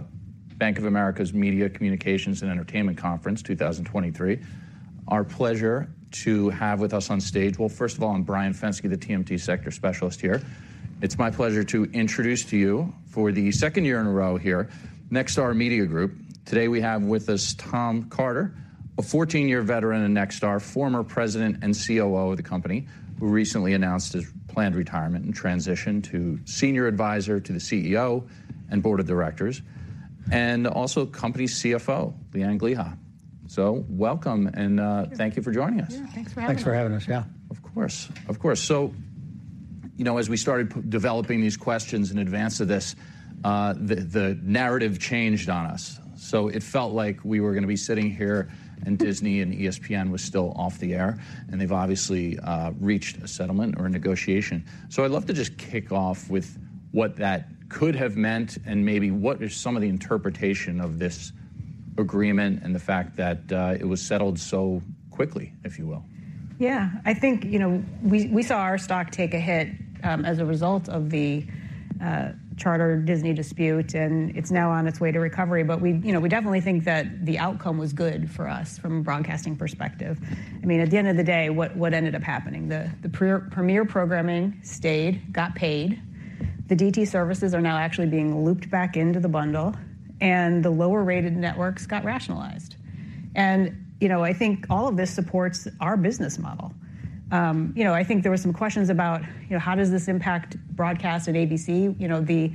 Bank of America's Media, Communications, and Entertainment Conference 2023. Our pleasure to have with us on stage. Well, first of all, I'm Brian Fenske, the TMT sector specialist here. It's my pleasure to introduce to you, for the second year in a row here, Nexstar Media Group. Today we have with us Tom Carter, a 14-year veteran of Nexstar, former President and COO of the company, who recently announced his planned retirement and transition to Senior Advisor to the CEO and Board of Directors, and also company CFO, Lee Ann Gliha. So welcome, and thank you for joining us. Yeah, thanks for having us. Thanks for having us. Yeah. Of course. Of course. So, you know, as we started developing these questions in advance of this, the narrative changed on us. So it felt like we were gonna be sitting here, and Disney and ESPN was still off the air, and they've obviously reached a settlement or a negotiation. So I'd love to just kick off with what that could have meant and maybe what is some of the interpretation of this agreement and the fact that it was settled so quickly, if you will. Yeah. I think, you know, we, we saw our stock take a hit, as a result of the Charter-Disney dispute, and it's now on its way to recovery. But we, you know, we definitely think that the outcome was good for us from a broadcasting perspective. I mean, at the end of the day, what, what ended up happening? The premier programming stayed, got paid, the DTC services are now actually being looped back into the bundle, and the lower-rated networks got rationalized. And, you know, I think all of this supports our business model. You know, I think there were some questions about, you know, how does this impact broadcast at ABC? You know, the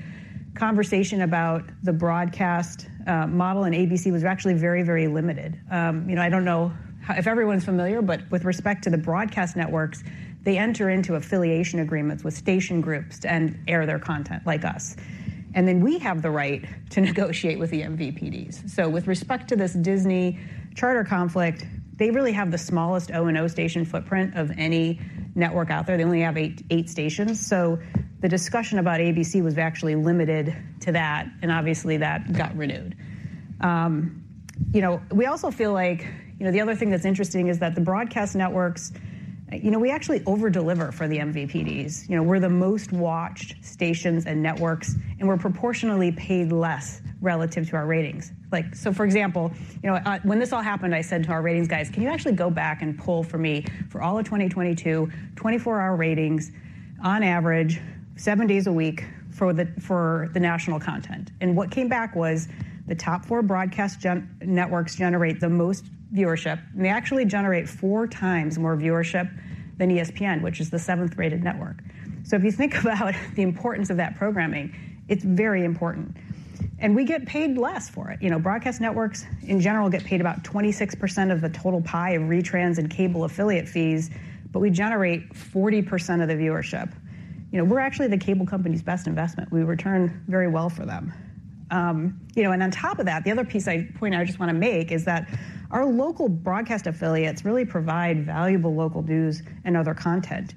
conversation about the broadcast model in ABC was actually very, very limited. You know, I don't know if everyone's familiar, but with respect to the broadcast networks, they enter into affiliation agreements with station groups and air their content, like us, and then we have the right to negotiate with the MVPDs. So with respect to this Disney-Charter conflict, they really have the smallest O&O station footprint of any network out there. They only have 8, 8 stations. So the discussion about ABC was actually limited to that, and obviously, that got renewed. You know, we also feel like... You know, the other thing that's interesting is that the broadcast networks, you know, we actually over-deliver for the MVPDs. You know, we're the most watched stations and networks, and we're proportionally paid less relative to our ratings. Like, so for example, you know, when this all happened, I said to our ratings guys, "Can you actually go back and pull for me, for all of 2022, 24-hour ratings, on average, seven days a week, for the, for the national content?" And what came back was the top four broadcast networks generate the most viewership. They actually generate 4x more viewership than ESPN, which is the seventh-rated network. So if you think about the importance of that programming, it's very important, and we get paid less for it. You know, broadcast networks, in general, get paid about 26% of the total pie of retrans and cable affiliate fees, but we generate 40% of the viewership. You know, we're actually the cable company's best investment. We return very well for them. You know, and on top of that, the other piece—point I just want to make is that our local broadcast affiliates really provide valuable local news and other content.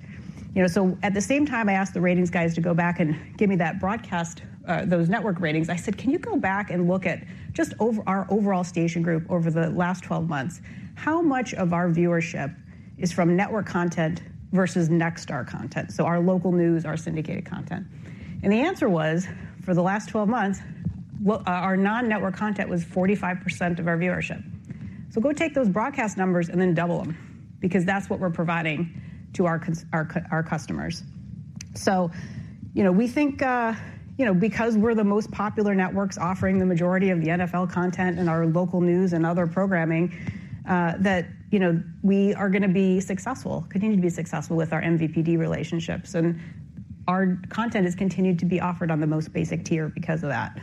You know, so at the same time, I asked the ratings guys to go back and give me that broadcast, those network ratings. I said: "Can you go back and look at just over our overall station group over the last 12 months? How much of our viewership is from network content versus Nexstar content?" So our local news, our syndicated content. And the answer was, for the last 12 months, our non-network content was 45% of our viewership. So go take those broadcast numbers and then double them because that's what we're providing to our customers. So, you know, we think, you know, because we're the most popular networks offering the majority of the NFL content and our local news and other programming, that, you know, we are gonna be successful, continue to be successful with our MVPD relationships. And our content has continued to be offered on the most basic tier because of that.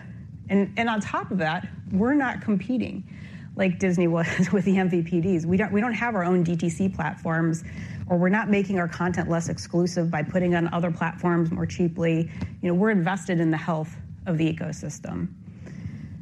And, on top of that, we're not competing like Disney was with the MVPDs. We don't, we don't have our own DTC platforms, or we're not making our content less exclusive by putting it on other platforms more cheaply. You know, we're invested in the health of the ecosystem.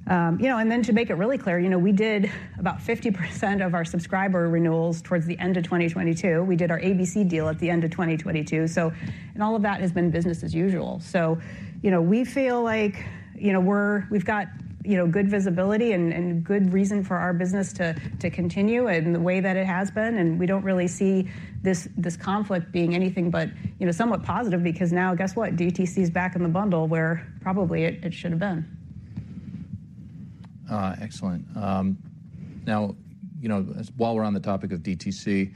You know, and then to make it really clear, you know, we did about 50% of our subscriber renewals towards the end of 2022. We did our ABC deal at the end of 2022. So, all of that has been business as usual. So, you know, we feel like, you know, we've got, you know, good visibility and good reason for our business to continue in the way that it has been, and we don't really see this conflict being anything but, you know, somewhat positive because now, guess what? DTC's back in the bundle, where probably it should have been. Excellent. Now, you know, while we're on the topic of DTC,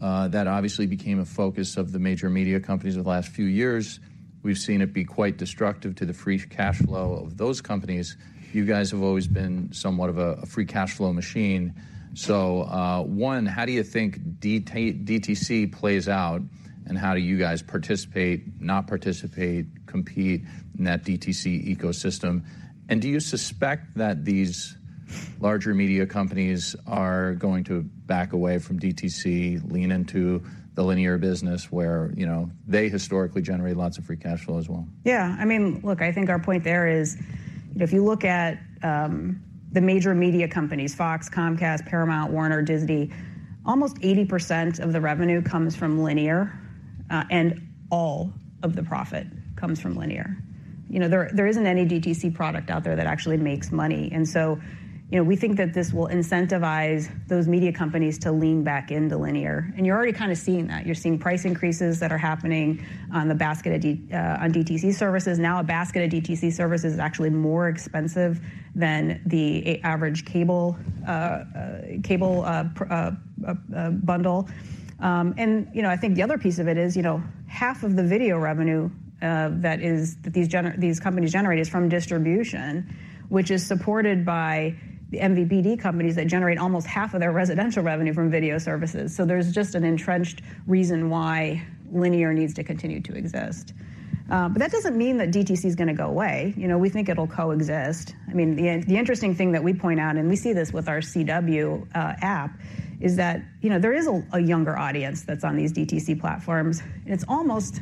that obviously became a focus of the major media companies over the last few years. We've seen it be quite destructive to the free cash flow of those companies. You guys have always been somewhat of a free cash flow machine. So, one, how do you think DTC plays out, and how do you guys participate, not participate, compete in that DTC ecosystem? And do you suspect that these larger media companies are going to back away from DTC, lean into the linear business where, you know, they historically generate lots of free cash flow as well? Yeah, I mean, look, I think our point there is, if you look at the major media companies, Fox, Comcast, Paramount, Warner, Disney, almost 80% of the revenue comes from linear, and all of the profit comes from linear. You know, there isn't any DTC product out there that actually makes money. And so, you know, we think that this will incentivize those media companies to lean back into linear. And you're already kind of seeing that. You're seeing price increases that are happening on the basket of DTC services. Now, a basket of DTC services is actually more expensive than the average cable bundle. And, you know, I think the other piece of it is, you know, half of the video revenue that is, that these companies generate is from distribution, which is supported by the MVPD companies that generate almost half of their residential revenue from video services. So there's just an entrenched reason why linear needs to continue to exist. But that doesn't mean that DTC is gonna go away. You know, we think it'll coexist. I mean, the interesting thing that we point out, and we see this with our CW app, is that, you know, there is a younger audience that's on these DTC platforms, and it's almost,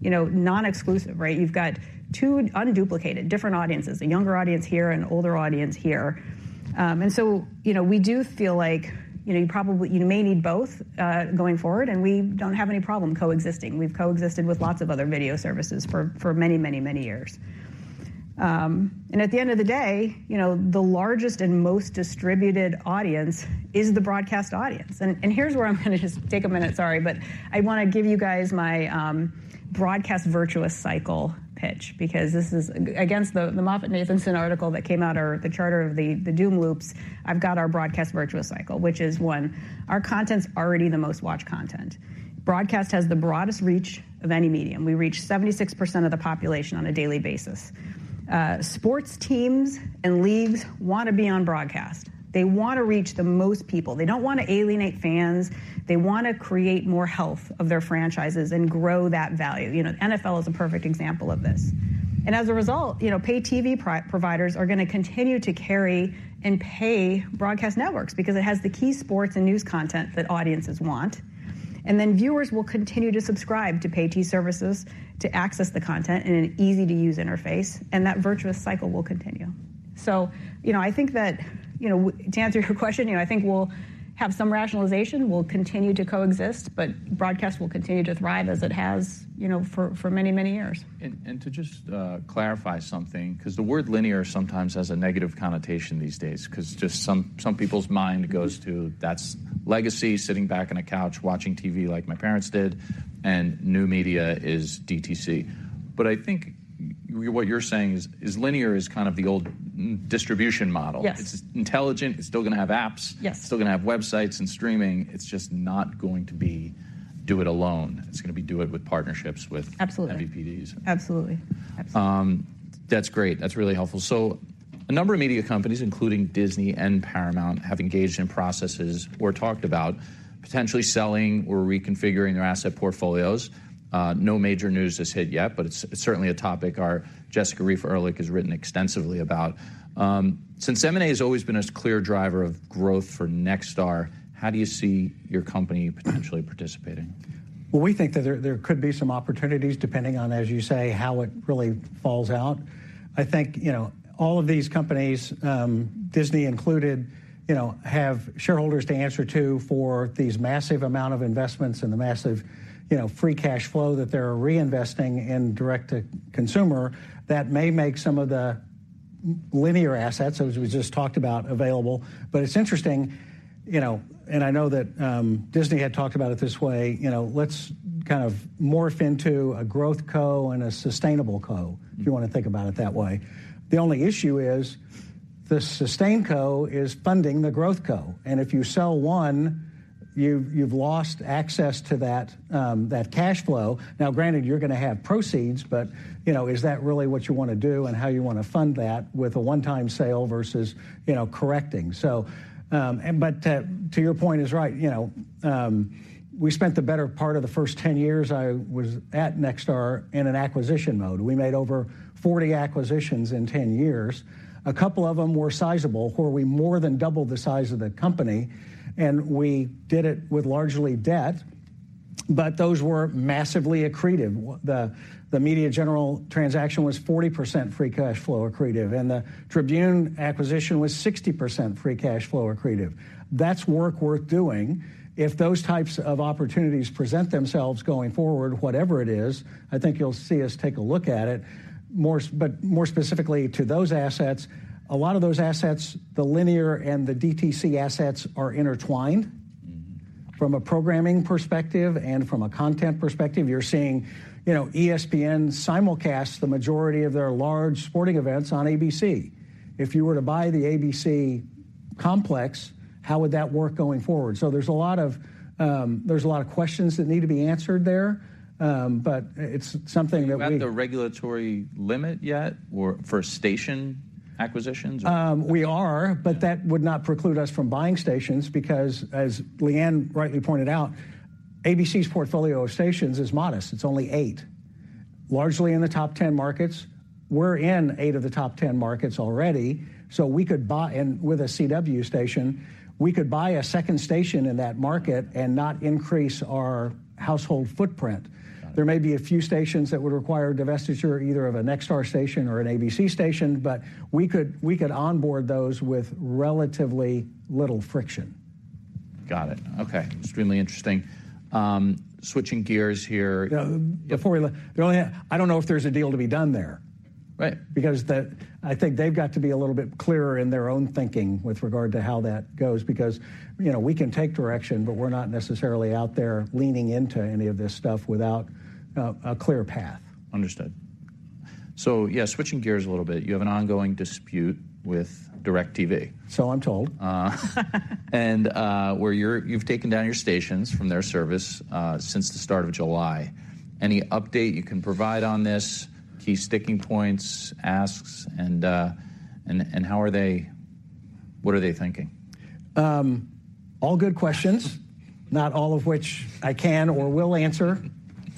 you know, non-exclusive, right? You've got two unduplicated, different audiences, a younger audience here, an older audience here. And so, you know, we do feel like, you know, you probably, you may need both, going forward, and we don't have any problem coexisting. We've coexisted with lots of other video services for, for many, many, many years. And at the end of the day, you know, the largest and most distributed audience is the broadcast audience. And here's where I'm gonna just take a minute, sorry, but I wanna give you guys my broadcast virtuous cycle pitch because this is against the MoffettNathanson article that came out, or the Charter of the doom loops. I've got our broadcast virtuous cycle, which is, one, our content's already the most watched content. Broadcast has the broadest reach of any medium. We reach 76% of the population on a daily basis. Sports teams and leagues wanna be on broadcast. They wanna reach the most people. They don't wanna alienate fans. They wanna create more health of their franchises and grow that value. You know, NFL is a perfect example of this. And as a result, you know, pay TV providers are gonna continue to carry and pay broadcast networks because it has the key sports and news content that audiences want. And then viewers will continue to subscribe to pay TV services to access the content in an easy-to-use interface, and that virtuous cycle will continue. So, you know, I think that, you know, to answer your question, you know, I think we'll have some rationalization, we'll continue to coexist, but broadcast will continue to thrive as it has, you know, for many, many years. And to just clarify something, 'cause the word linear sometimes has a negative connotation these days, 'cause just some people's mind goes to- Mm-hmm. That's legacy, sitting back on a couch, watching TV like my parents did, and new media is DTC. But I think what you're saying is, is linear is kind of the old distribution model. Yes. It's intelligent. It's still gonna have apps. Yes. Still gonna have websites and streaming. It's just not going to be do it alone. It's gonna be do it with partnerships with- Absolutely. -MVPDs. Absolutely. Absolutely. That's great. That's really helpful. So a number of media companies, including Disney and Paramount, have engaged in processes or talked about potentially selling or reconfiguring their asset portfolios. No major news has hit yet, but it's, it's certainly a topic our Jessica Reif Ehrlich has written extensively about. Since M&A has always been a clear driver of growth for Nexstar, how do you see your company potentially participating? Well, we think that there could be some opportunities, depending on, as you say, how it really falls out. I think, you know, all of these companies, Disney included, you know, have shareholders to answer to for these massive amount of investments and the massive, you know, free cash flow that they're reinvesting in direct to consumer, that may make some of the linear assets, as we just talked about, available. But it's interesting, you know, and I know that, Disney had talked about it this way, you know, let's kind of morph into a growth co and a sustainable co, if you wanna think about it that way. The only issue is the sustain co is funding the growth co, and if you sell one, you've lost access to that, that cash flow. Now, granted, you're gonna have proceeds, but, you know, is that really what you wanna do and how you wanna fund that with a one-time sale versus, you know, correcting? So, to your point is right. You know, we spent the better part of the first 10 years I was at Nexstar in an acquisition mode. We made over 40 acquisitions in 10 years. A couple of them were sizable, where we more than doubled the size of the company, and we did it with largely debt, but those were massively accretive. The Media General transaction was 40% free cash flow accretive, and the Tribune acquisition was 60% free cash flow accretive. That's work worth doing. If those types of opportunities present themselves going forward, whatever it is, I think you'll see us take a look at it. But more specifically to those assets, a lot of those assets, the linear and the DTC assets, are intertwined. Mm-hmm. From a programming perspective and from a content perspective, you're seeing, you know, ESPN simulcast the majority of their large sporting events on ABC. If you were to buy the ABC complex, how would that work going forward? So there's a lot of questions that need to be answered there, but it's something that we- Have you gotten the regulatory limit yet for station acquisitions, or? We are- Okay. But that would not preclude us from buying stations because, as Lee Ann rightly pointed out, ABC's portfolio of stations is modest. It's only eight, largely in the top 10 markets. We're in eight of the top 10 markets already, so we could buy... and with a CW station, we could buy a second station in that market and not increase our household footprint. Got it. There may be a few stations that would require divestiture, either of a Nexstar station or an ABC station, but we could onboard those with relatively little friction.... Got it. Okay, extremely interesting. Switching gears here- Yeah, before we leave, the only thing, I don't know if there's a deal to be done there. Right. Because I think they've got to be a little bit clearer in their own thinking with regard to how that goes, because, you know, we can take direction, but we're not necessarily out there leaning into any of this stuff without a clear path. Understood. So yeah, switching gears a little bit, you have an ongoing dispute with DIRECTV. So I'm told. And where you've taken down your stations from their service since the start of July. Any update you can provide on this, key sticking points, asks, and how are they... What are they thinking? All good questions, not all of which I can or will answer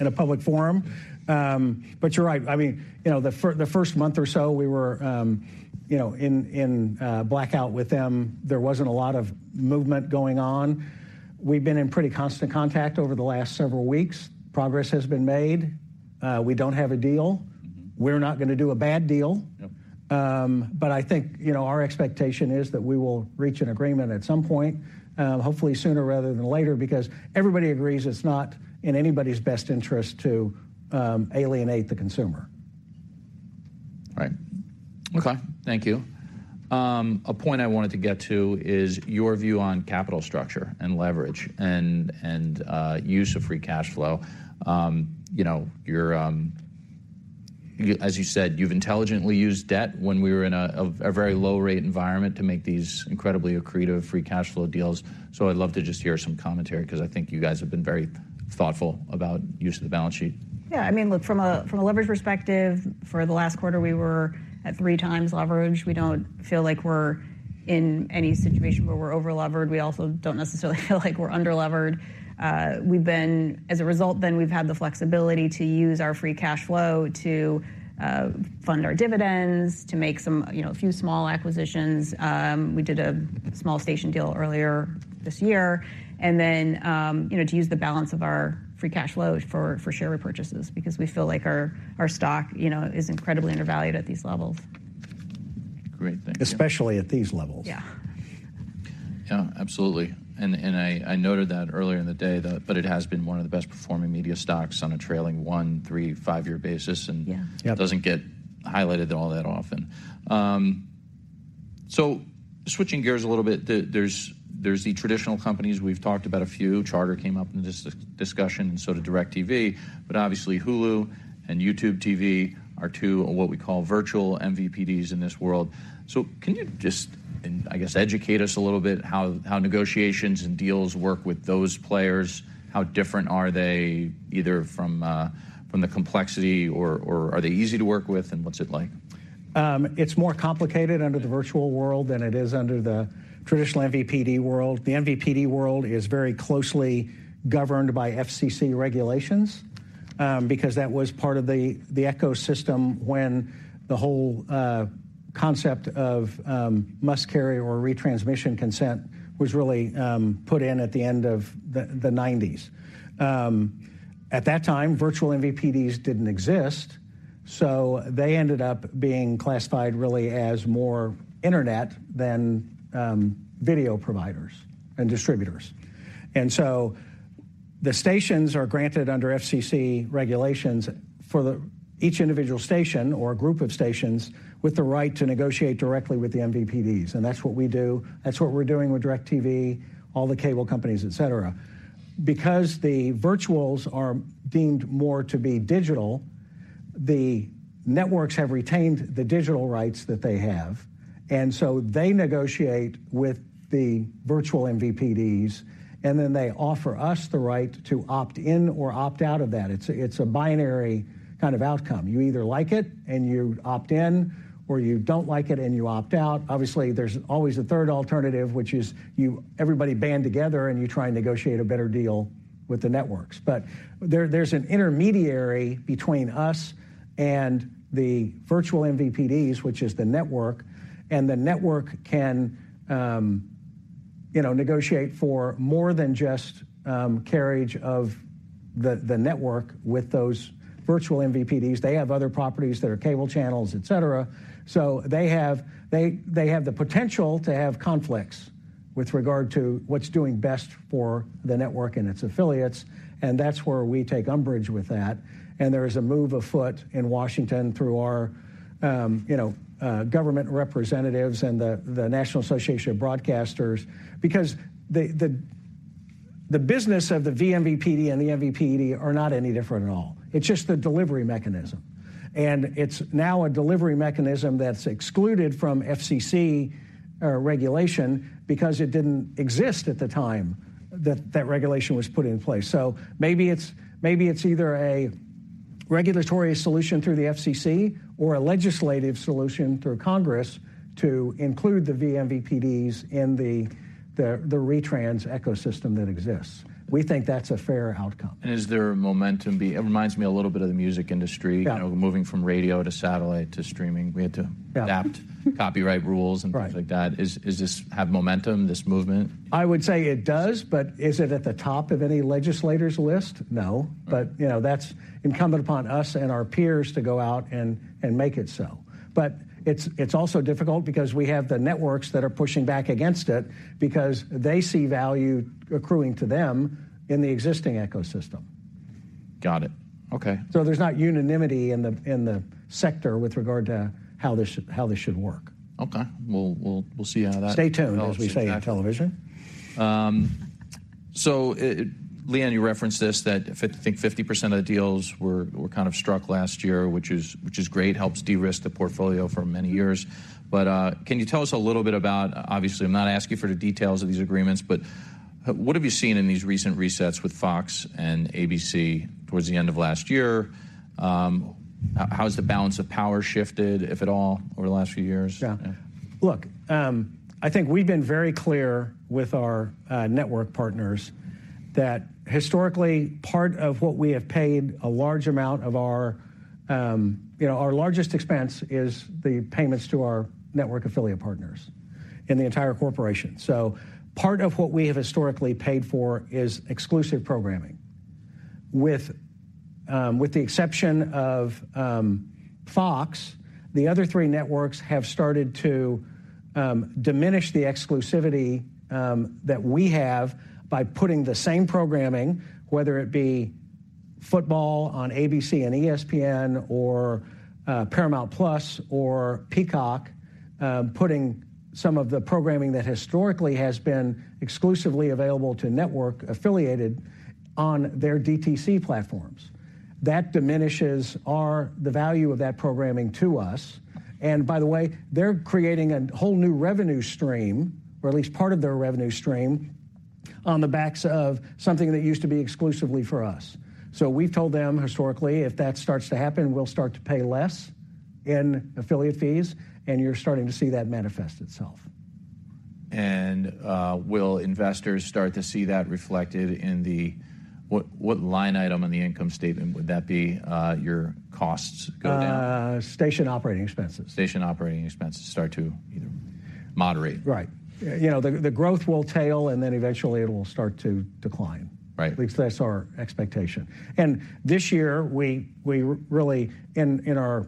in a public forum. But you're right. I mean, you know, the first month or so, we were, you know, in a blackout with them. There wasn't a lot of movement going on. We've been in pretty constant contact over the last several weeks. Progress has been made. We don't have a deal. Mm-hmm. We're not gonna do a bad deal. Yep. But I think, you know, our expectation is that we will reach an agreement at some point, hopefully sooner rather than later, because everybody agrees it's not in anybody's best interest to alienate the consumer. Right. Okay, thank you. A point I wanted to get to is your view on capital structure and leverage and use of free cash flow. You know, you're, as you said, you've intelligently used debt when we were in a very low-rate environment to make these incredibly accretive free cash flow deals. So I'd love to just hear some commentary, because I think you guys have been very thoughtful about use of the balance sheet. Yeah, I mean, look, from a leverage perspective, for the last quarter, we were at 3x leverage. We don't feel like we're in any situation where we're over-levered. We also don't necessarily feel like we're under-levered. As a result, then, we've had the flexibility to use our free cash flow to fund our dividends, to make some, you know, a few small acquisitions. We did a small station deal earlier this year, and then, you know, to use the balance of our free cash flow for share repurchases, because we feel like our stock is incredibly undervalued at these levels. Great. Thank you. Especially at these levels. Yeah. Yeah, absolutely. I noted that earlier in the day, but it has been one of the best-performing media stocks on a trailing one-, three-, five-year basis, and- Yeah. Yeah... it doesn't get highlighted all that often. So switching gears a little bit, there's the traditional companies, we've talked about a few. Charter came up in this discussion and so did DIRECTV, but obviously Hulu and YouTube TV are two of what we call virtual MVPDs in this world. So can you just and I guess educate us a little bit how negotiations and deals work with those players? How different are they, either from the complexity or are they easy to work with, and what's it like? It's more complicated under the virtual world than it is under the traditional MVPD world. The MVPD world is very closely governed by FCC regulations, because that was part of the ecosystem when the whole concept of must-carry or retransmission consent was really put in at the end of the 1990s. At that time, virtual MVPDs didn't exist, so they ended up being classified really as more Internet than video providers and distributors. So the stations are granted under FCC regulations for each individual station or group of stations with the right to negotiate directly with the MVPDs, and that's what we do. That's what we're doing with DIRECTV, all the cable companies, et cetera. Because the virtuals are deemed more to be digital, the networks have retained the digital rights that they have, and so they negotiate with the virtual MVPDs, and then they offer us the right to opt in or opt out of that. It's a binary kind of outcome. You either like it, and you opt in, or you don't like it, and you opt out. Obviously, there's always a third alternative, which is you, everybody band together, and you try and negotiate a better deal with the networks. But there, there's an intermediary between us and the virtual MVPDs, which is the network, and the network can, you know, negotiate for more than just, carriage of the network with those virtual MVPDs. They have other properties that are cable channels, et cetera. So they have the potential to have conflicts with regard to what's doing best for the network and its affiliates, and that's where we take umbrage with that. And there is a move afoot in Washington through our, you know, government representatives and the business of the vMVPD and the MVPD are not any different at all. It's just the delivery mechanism, and it's now a delivery mechanism that's excluded from FCC regulation because it didn't exist at the time that that regulation was put in place. So maybe it's either a regulatory solution through the FCC or a legislative solution through Congress to include the vMVPDs in the retrans ecosystem that exists. We think that's a fair outcome. Is there a momentum? It reminds me a little bit of the music industry- Yeah... you know, moving from radio to satellite to streaming. We had to- Yeah... adapt copyright rules- Right... and things like that. Does this have momentum, this movement? I would say it does, but is it at the top of any legislator's list? No. Mm. But, you know, that's incumbent upon us and our peers to go out and make it so. But it's also difficult because we have the networks that are pushing back against it because they see value accruing to them in the existing ecosystem.... Got it. Okay. So there's not unanimity in the sector with regard to how this should work. Okay. We'll see how that- Stay tuned, as we say in television. So, Lee Ann, you referenced this, that 50% – I think 50% of the deals were kind of struck last year, which is great. Helps de-risk the portfolio for many years. But, can you tell us a little bit about – obviously, I'm not asking you for the details of these agreements, but what have you seen in these recent resets with Fox and ABC towards the end of last year? How has the balance of power shifted, if at all, over the last few years? Yeah. Look, I think we've been very clear with our network partners that historically, part of what we have paid a large amount of our... You know, our largest expense is the payments to our network affiliate partners in the entire corporation. So part of what we have historically paid for is exclusive programming. With the exception of Fox, the other three networks have started to diminish the exclusivity that we have by putting the same programming, whether it be football on ABC and ESPN or Paramount+ or Peacock, putting some of the programming that historically has been exclusively available to network affiliated on their DTC platforms. That diminishes our, the value of that programming to us, and by the way, they're creating a whole new revenue stream, or at least part of their revenue stream, on the backs of something that used to be exclusively for us. So we've told them historically, if that starts to happen, we'll start to pay less in affiliate fees, and you're starting to see that manifest itself. Will investors start to see that reflected in the—what line item on the income statement would that be, your costs go down? Station operating expenses. Station operating expenses start to either moderate. Right. You know, the growth will tail, and then eventually it will start to decline. Right. At least that's our expectation. And this year, we really in our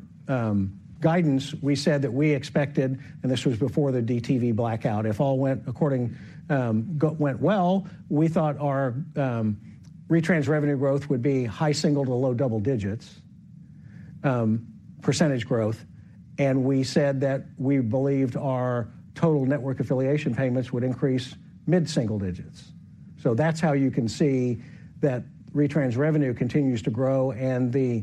guidance, we said that we expected, and this was before the DTV blackout, if all went according, went well, we thought our retrans revenue growth would be high single- to low double-digit percentage growth, and we said that we believed our total network affiliation payments would increase mid-single digits. So that's how you can see that retrans revenue continues to grow and the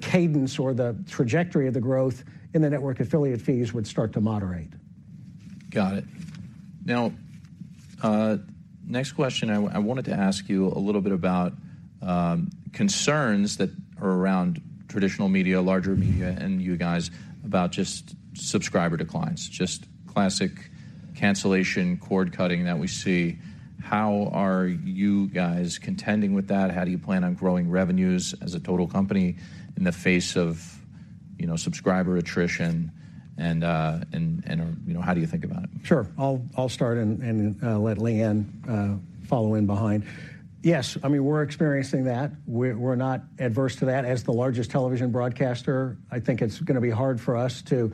cadence or the trajectory of the growth in the network affiliate fees would start to moderate. Got it. Now, next question, I wanted to ask you a little bit about concerns that are around traditional media, larger media, and you guys about just subscriber declines, just classic cancellation, cord-cutting that we see. How are you guys contending with that? How do you plan on growing revenues as a total company in the face of, you know, subscriber attrition and, you know, how do you think about it? Sure. I'll start and let Lee Ann follow in behind. Yes, I mean, we're experiencing that. We're not adverse to that. As the largest television broadcaster, I think it's gonna be hard for us to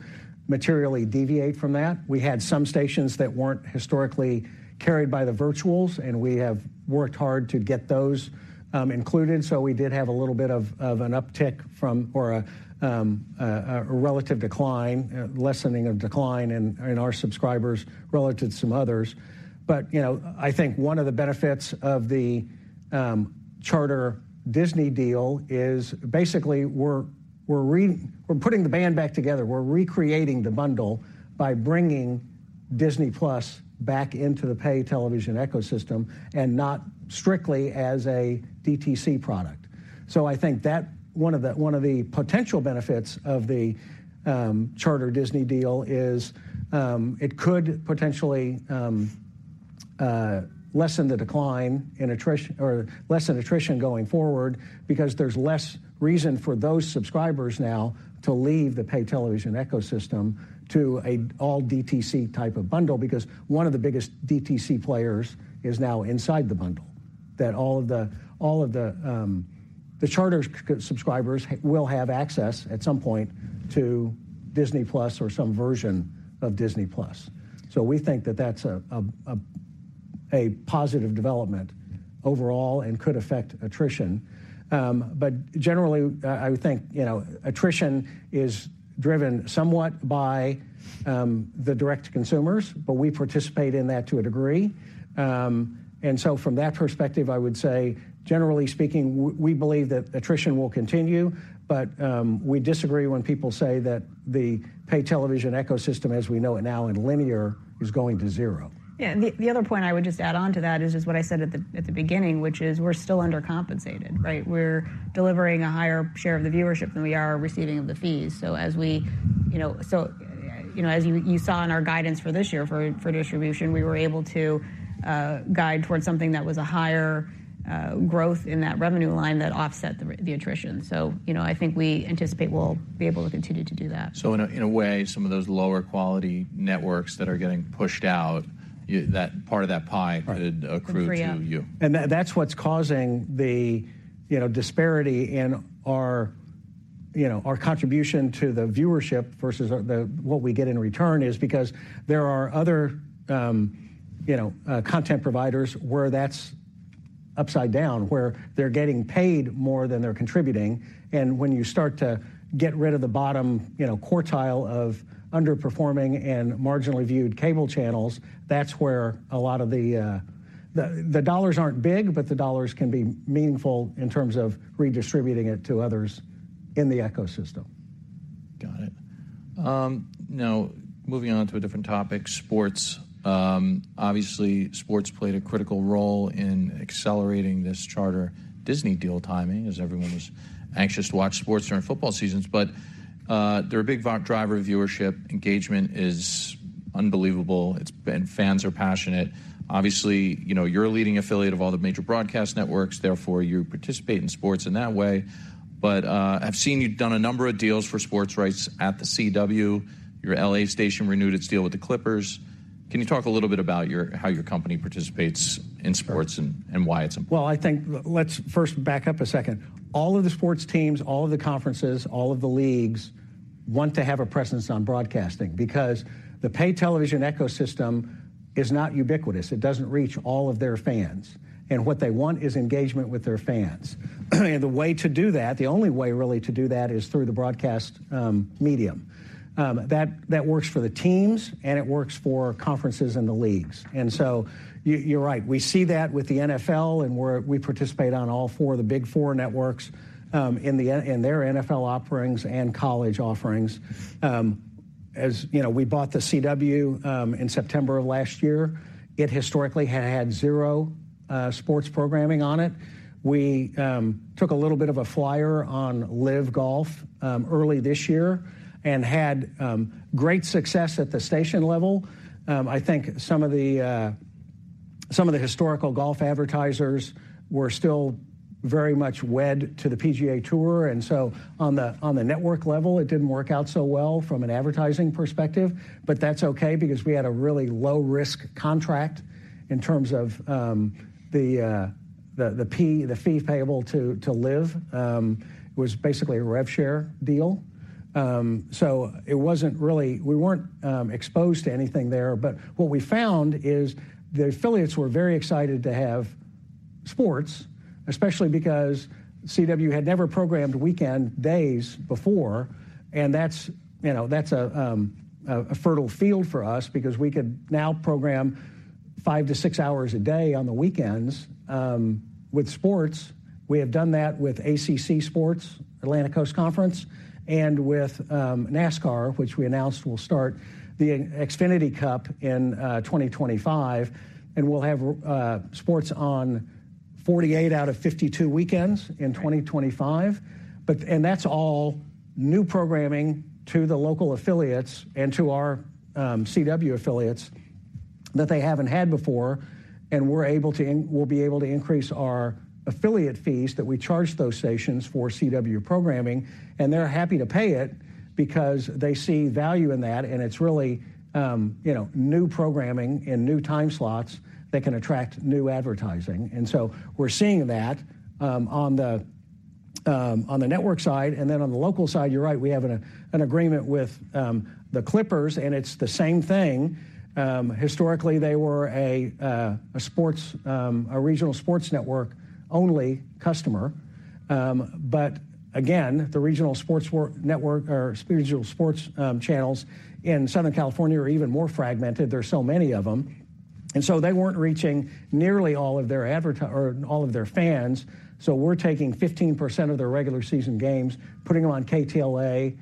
materially deviate from that. We had some stations that weren't historically carried by the virtuals, and we have worked hard to get those included, so we did have a little bit of an uptick from or a relative decline lessening of decline in our subscribers relative to some others. But, you know, I think one of the benefits of the Charter-Disney deal is basically, we're putting the band back together. We're recreating the bundle by bringing Disney+ back into the pay television ecosystem and not strictly as a DTC product. So I think that one of the potential benefits of the Charter-Disney deal is it could potentially lessen the decline in attrition or lessen attrition going forward because there's less reason for those subscribers now to leave the pay television ecosystem to a all-DTC type of bundle, because one of the biggest DTC players is now inside the bundle, that all of the Charter subscribers will have access at some point to Disney+ or some version of Disney+. So we think that that's a positive development overall and could affect attrition. But generally, I think, you know, attrition is driven somewhat by the direct consumers, but we participate in that to a degree. And so from that perspective, I would say, generally speaking, we believe that attrition will continue, but we disagree when people say that the pay television ecosystem as we know it now in linear is going to zero. Yeah, the other point I would just add on to that is what I said at the beginning, which is we're still undercompensated, right? We're delivering a higher share of the viewership than we are receiving of the fees. So as we, you know. So, you know, as you saw in our guidance for this year for distribution, we were able to guide towards something that was a higher growth in that revenue line that offset the attrition. So, you know, I think we anticipate we'll be able to continue to do that. So in a way, some of those lower quality networks that are getting pushed out, that part of that pie- Right... could accrue to you. And that's what's causing the, you know, disparity in our contribution to the viewership versus what we get in return is because there are other, you know, content providers where that's upside down, where they're getting paid more than they're contributing. And when you start to get rid of the bottom, you know, quartile of underperforming and marginally viewed cable channels, that's where a lot of the dollars aren't big, but the dollars can be meaningful in terms of redistributing it to others in the ecosystem. Got it. Now, moving on to a different topic: sports. Obviously, sports played a critical role in accelerating this Charter-Disney deal timing, as everyone was anxious to watch sports during football seasons. But, they're a big driver of viewership. Engagement is unbelievable. It's been fans are passionate. Obviously, you know, you're a leading affiliate of all the major broadcast networks, therefore, you participate in sports in that way. But, I've seen you've done a number of deals for sports rights at The CW. Your L.A. station renewed its deal with the Clippers. Can you talk a little bit about your, how your company participates in sports and, and why it's important? Well, I think let's first back up a second. All of the sports teams, all of the conferences, all of the leagues want to have a presence on broadcasting because the pay television ecosystem is not ubiquitous. It doesn't reach all of their fans, and what they want is engagement with their fans. And the way to do that, the only way, really, to do that, is through the broadcast medium. That works for the teams, and it works for conferences and the leagues. And so you, you're right. We see that with the NFL, and we participate on all four of the big four networks in their NFL offerings and college offerings. As you know, we bought the CW in September of last year. It historically had 0 sports programming on it. We took a little bit of a flyer on LIV Golf early this year and had great success at the station level. I think some of the historical golf advertisers were still very much wed to the PGA Tour, and so on the network level, it didn't work out so well from an advertising perspective, but that's okay because we had a really low-risk contract in terms of the fee payable to LIV. It was basically a rev share deal. So it wasn't really, we weren't exposed to anything there. But what we found is the affiliates were very excited to have sports, especially because CW had never programmed weekend days before, and that's, you know, that's a fertile field for us because we could now program 5-6 hours a day on the weekends with sports. We have done that with ACC Sports, Atlantic Coast Conference, and with NASCAR, which we announced we'll start the Xfinity Cup in 2025, and we'll have sports on 48 out of 52 weekends in 2025. That's all new programming to the local affiliates and to our CW affiliates that they haven't had before, and we're able to—we'll be able to increase our affiliate fees that we charge those stations for CW programming, and they're happy to pay it because they see value in that, and it's really, you know, new programming and new time slots that can attract new advertising. And so we're seeing that on the network side, and then on the local side, you're right, we have an agreement with the Clippers, and it's the same thing. Historically, they were a regional sports network-only customer. But again, the regional sports network or regional sports channels in Southern California are even more fragmented. There are so many of them, and so they weren't reaching nearly all of their advertising or all of their fans. So we're taking 15% of their regular season games, putting them on KTLA,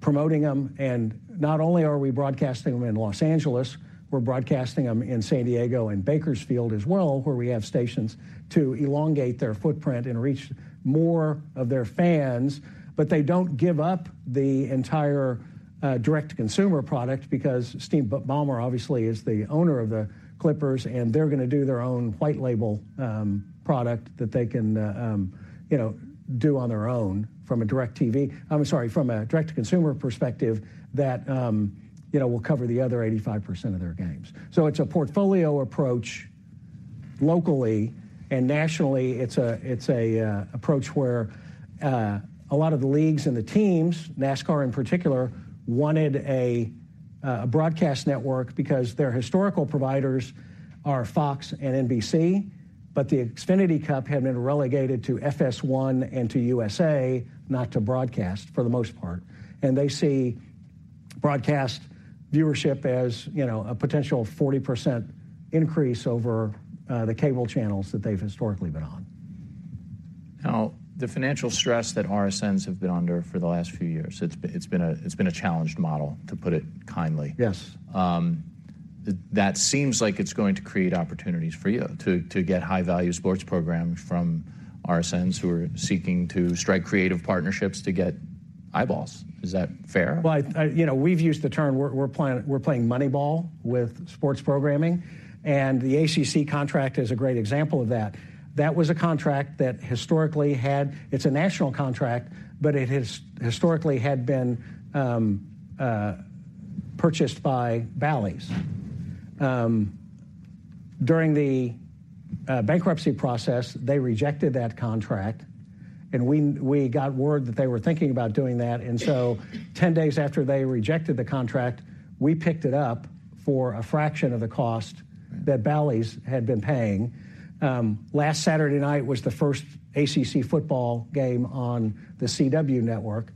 promoting them, and not only are we broadcasting them in Los Angeles, we're broadcasting them in San Diego and Bakersfield as well, where we have stations to elongate their footprint and reach more of their fans. But they don't give up the entire direct-to-consumer product because Steve Ballmer obviously is the owner of the Clippers, and they're gonna do their own white label product that they can, you know, do on their own from a DIRECTV... I'm sorry, from a direct-to-consumer perspective that, you know, will cover the other 85% of their games. So it's a portfolio approach locally and nationally. It's an approach where a lot of the leagues and the teams, NASCAR in particular, wanted a broadcast network because their historical providers are Fox and NBC, but the Xfinity Cup had been relegated to FS1 and to USA, not to broadcast for the most part. They see broadcast viewership as, you know, a potential 40% increase over the cable channels that they've historically been on. Now, the financial stress that RSNs have been under for the last few years, it's been a challenged model, to put it kindly. Yes. That seems like it's going to create opportunities for you to get high-value sports programs from RSNs who are seeking to strike creative partnerships to get eyeballs. Is that fair? Well, you know, we've used the term we're playing Moneyball with sports programming, and the ACC contract is a great example of that. That was a contract that historically had, it's a national contract, but it has historically been purchased by Bally's. During the bankruptcy process, they rejected that contract, and we got word that they were thinking about doing that. And so 10 days after they rejected the contract, we picked it up for a fraction of the cost that Bally's had been paying. Last Saturday night was the first ACC football game on The CW Network,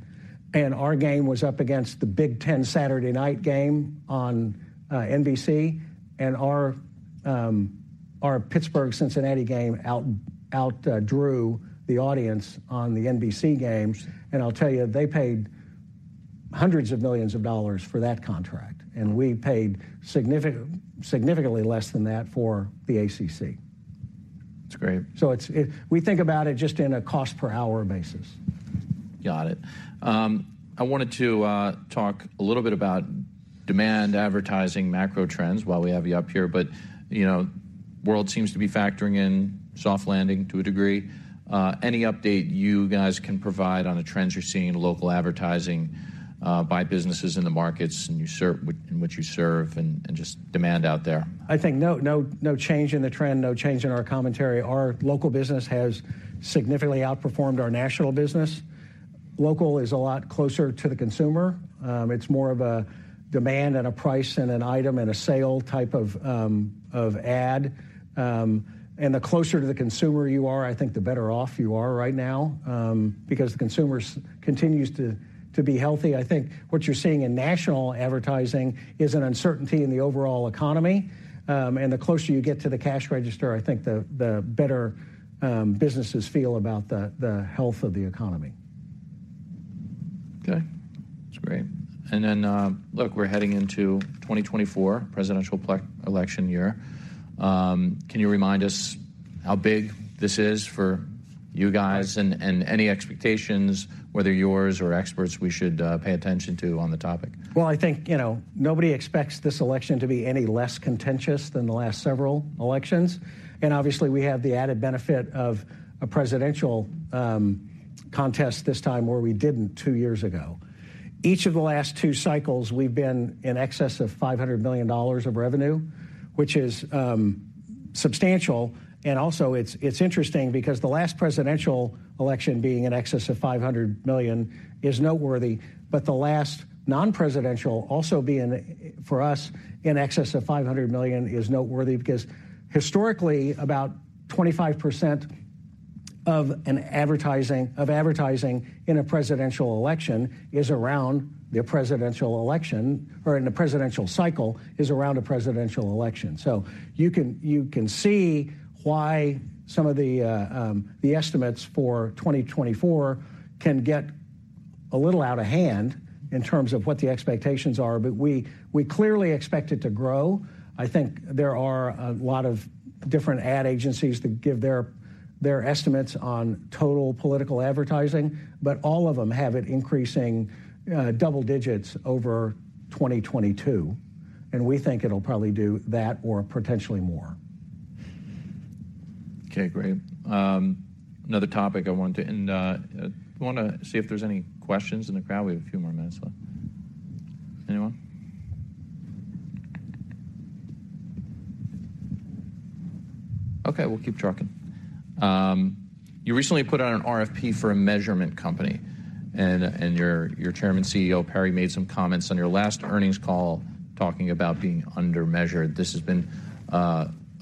and our game was up against the Big Ten Saturday night game on NBC. And our Pittsburgh-Cincinnati game outdrew the audience on the NBC games. I'll tell you, they paid $hundreds of millions for that contract, and we paid significantly less than that for the ACC. That's great. So, we think about it just in a cost-per-hour basis. Got it. I wanted to talk a little bit about demand, advertising, macro trends while we have you up here. But, you know, world seems to be factoring in soft landing to a degree. Any update you guys can provide on the trends you're seeing in local advertising, by businesses in the markets and you serve, in which you serve and, and just demand out there? I think, no, no, no change in the trend, no change in our commentary. Our local business has significantly outperformed our national business. Local is a lot closer to the consumer. It's more of a demand and a price and an item and a sale type of ad. And the closer to the consumer you are, I think the better off you are right now, because the consumer continues to be healthy. I think what you're seeing in national advertising is an uncertainty in the overall economy. And the closer you get to the cash register, I think the better businesses feel about the health of the economy. Okay. That's great. And then, look, we're heading into 2024, presidential election year. Can you remind us how big this is for you guys and any expectations, whether yours or experts, we should pay attention to on the topic? Well, I think, you know, nobody expects this election to be any less contentious than the last several elections, and obviously, we have the added benefit of a presidential contest this time, where we didn't two years ago. Each of the last two cycles, we've been in excess of $500 million of revenue, which is substantial. And also it's interesting because the last presidential election being in excess of $500 million is noteworthy, but the last non-presidential also being, for us, in excess of $500 million is noteworthy because historically, about 25% of advertising in a presidential election is around the presidential election, or in a presidential cycle, is around a presidential election. So you can see why some of the estimates for 2024 can get a little out of hand in terms of what the expectations are. But we clearly expect it to grow. I think there are a lot of different ad agencies that give their estimates on total political advertising, but all of them have it increasing double digits over 2022, and we think it'll probably do that or potentially more. Okay, great. Another topic I wanted to... I want to see if there's any questions in the crowd. We have a few more minutes left. Anyone? Okay, we'll keep talking. You recently put out an RFP for a measurement company, and your chairman, CEO, Perry, made some comments on your last earnings call, talking about being undermeasured. This has been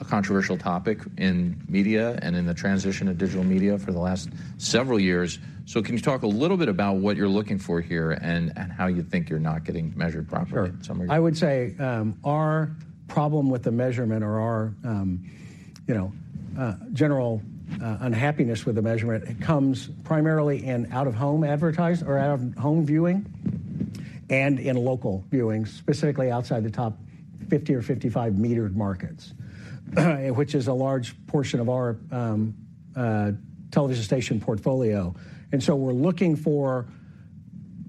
a controversial topic in media and in the transition to digital media for the last several years. So can you talk a little bit about what you're looking for here and how you think you're not getting measured properly in some ways? Sure. I would say, our problem with the measurement or our, you know, general, unhappiness with the measurement, it comes primarily in out-of-home advertise or out-of-home viewing and in local viewing, specifically outside the top 50 or 55 metered markets, which is a large portion of our, television station portfolio. And so we're looking for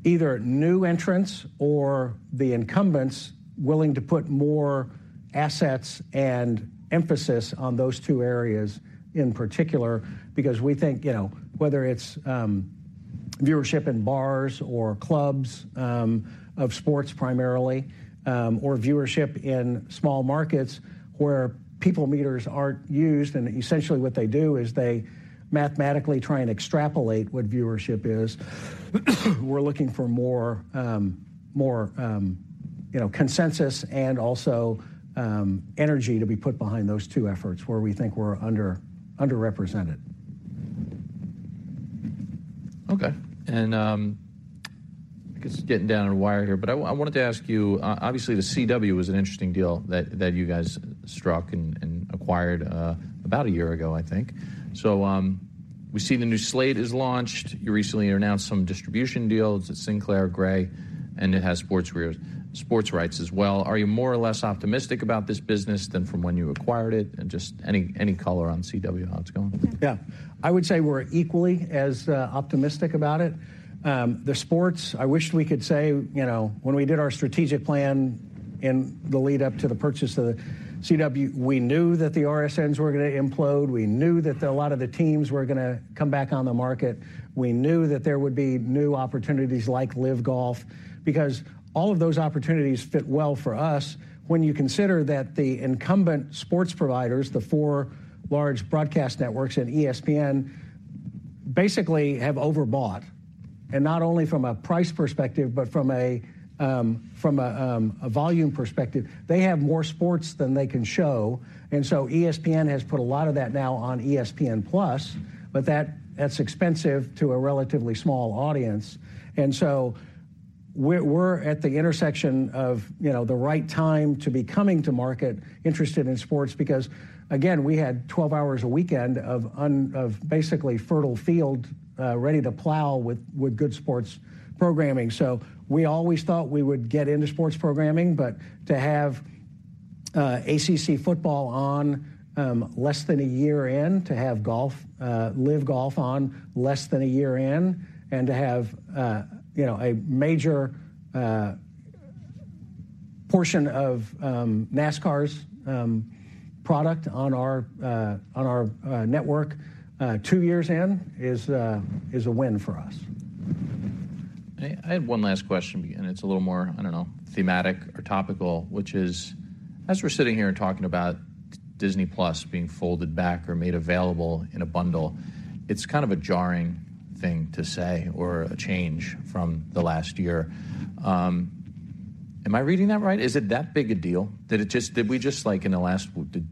either new entrants or the incumbents willing to put more assets and emphasis on those two areas in particular, because we think, you know, whether it's, viewership in bars or clubs, of sports primarily, or viewership in small markets where people meters aren't used, and essentially what they do is they mathematically try and extrapolate what viewership is. We're looking for more, more, you know, consensus and also, energy to be put behind those two efforts where we think we're underrepresented. Okay, and I guess getting down to the wire here, but I wanted to ask you, obviously, The CW was an interesting deal that you guys struck and acquired about a year ago, I think. So, we see the new slate is launched. You recently announced some distribution deals at Sinclair, Gray, and it has sports rights as well. Are you more or less optimistic about this business than from when you acquired it? And just any color on CW, how it's going? Yeah. I would say we're equally as optimistic about it. The sports, I wish we could say, you know, when we did our strategic plan in the lead-up to the purchase of the CW, we knew that the RSNs were gonna implode. We knew that a lot of the teams were gonna come back on the market. We knew that there would be new opportunities like LIV Golf, because all of those opportunities fit well for us. When you consider that the incumbent sports providers, the four large broadcast networks and ESPN... basically have overbought and not only from a price perspective, but from a volume perspective. They have more sports than they can show, and so ESPN has put a lot of that now on ESPN+, but that, that's expensive to a relatively small audience. And so we're at the intersection of, you know, the right time to be coming to market interested in sports, because again, we had 12 hours a weekend of basically fertile field, ready to plow with good sports programming. So we always thought we would get into sports programming, but to have ACC football on less than a year in, to have golf, live golf on less than a year in, and to have, you know, a major portion of NASCAR's product on our network two years in, is a win for us. I have one last question, and it's a little more, I don't know, thematic or topical, which is, as we're sitting here and talking about Disney+ being folded back or made available in a bundle, it's kind of a jarring thing to say, or a change from the last year. Am I reading that right? Is it that big a deal? Did we just like, in the last... Did,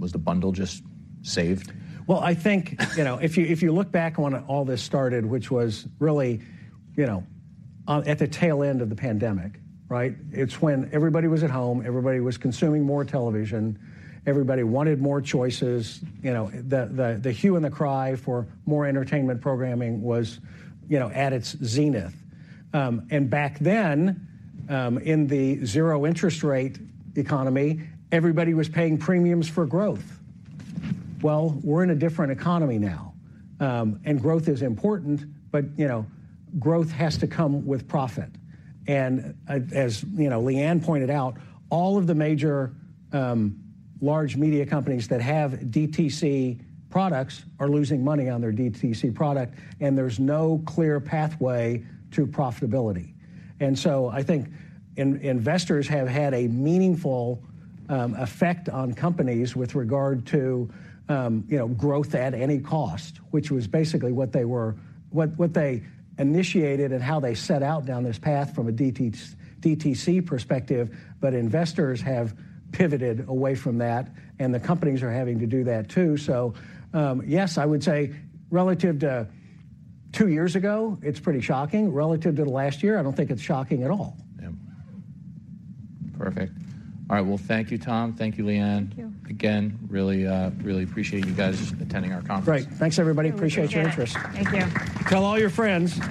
was the bundle just saved? Well, I think you know, if you look back on when all this started, which was really, you know, at the tail end of the pandemic, right? It's when everybody was at home, everybody was consuming more television, everybody wanted more choices. You know, the hue and the cry for more entertainment programming was, you know, at its zenith. And back then, in the zero interest rate economy, everybody was paying premiums for growth. Well, we're in a different economy now, and growth is important, but, you know, growth has to come with profit. And as, you know, Lee Ann pointed out, all of the major, large media companies that have DTC products are losing money on their DTC product, and there's no clear pathway to profitability. So I think investors have had a meaningful effect on companies with regard to, you know, growth at any cost, which was basically what they initiated and how they set out down this path from a DTC perspective. But investors have pivoted away from that, and the companies are having to do that, too. So, yes, I would say relative to two years ago, it's pretty shocking. Relative to the last year, I don't think it's shocking at all. Yeah. Perfect. All right, well, thank you, Tom. Thank you, Lee Ann. Thank you. Again, really, really appreciate you guys attending our conference. Great. Thanks, everybody. Thank you. Appreciate your interest. Thank you. Tell all your friends!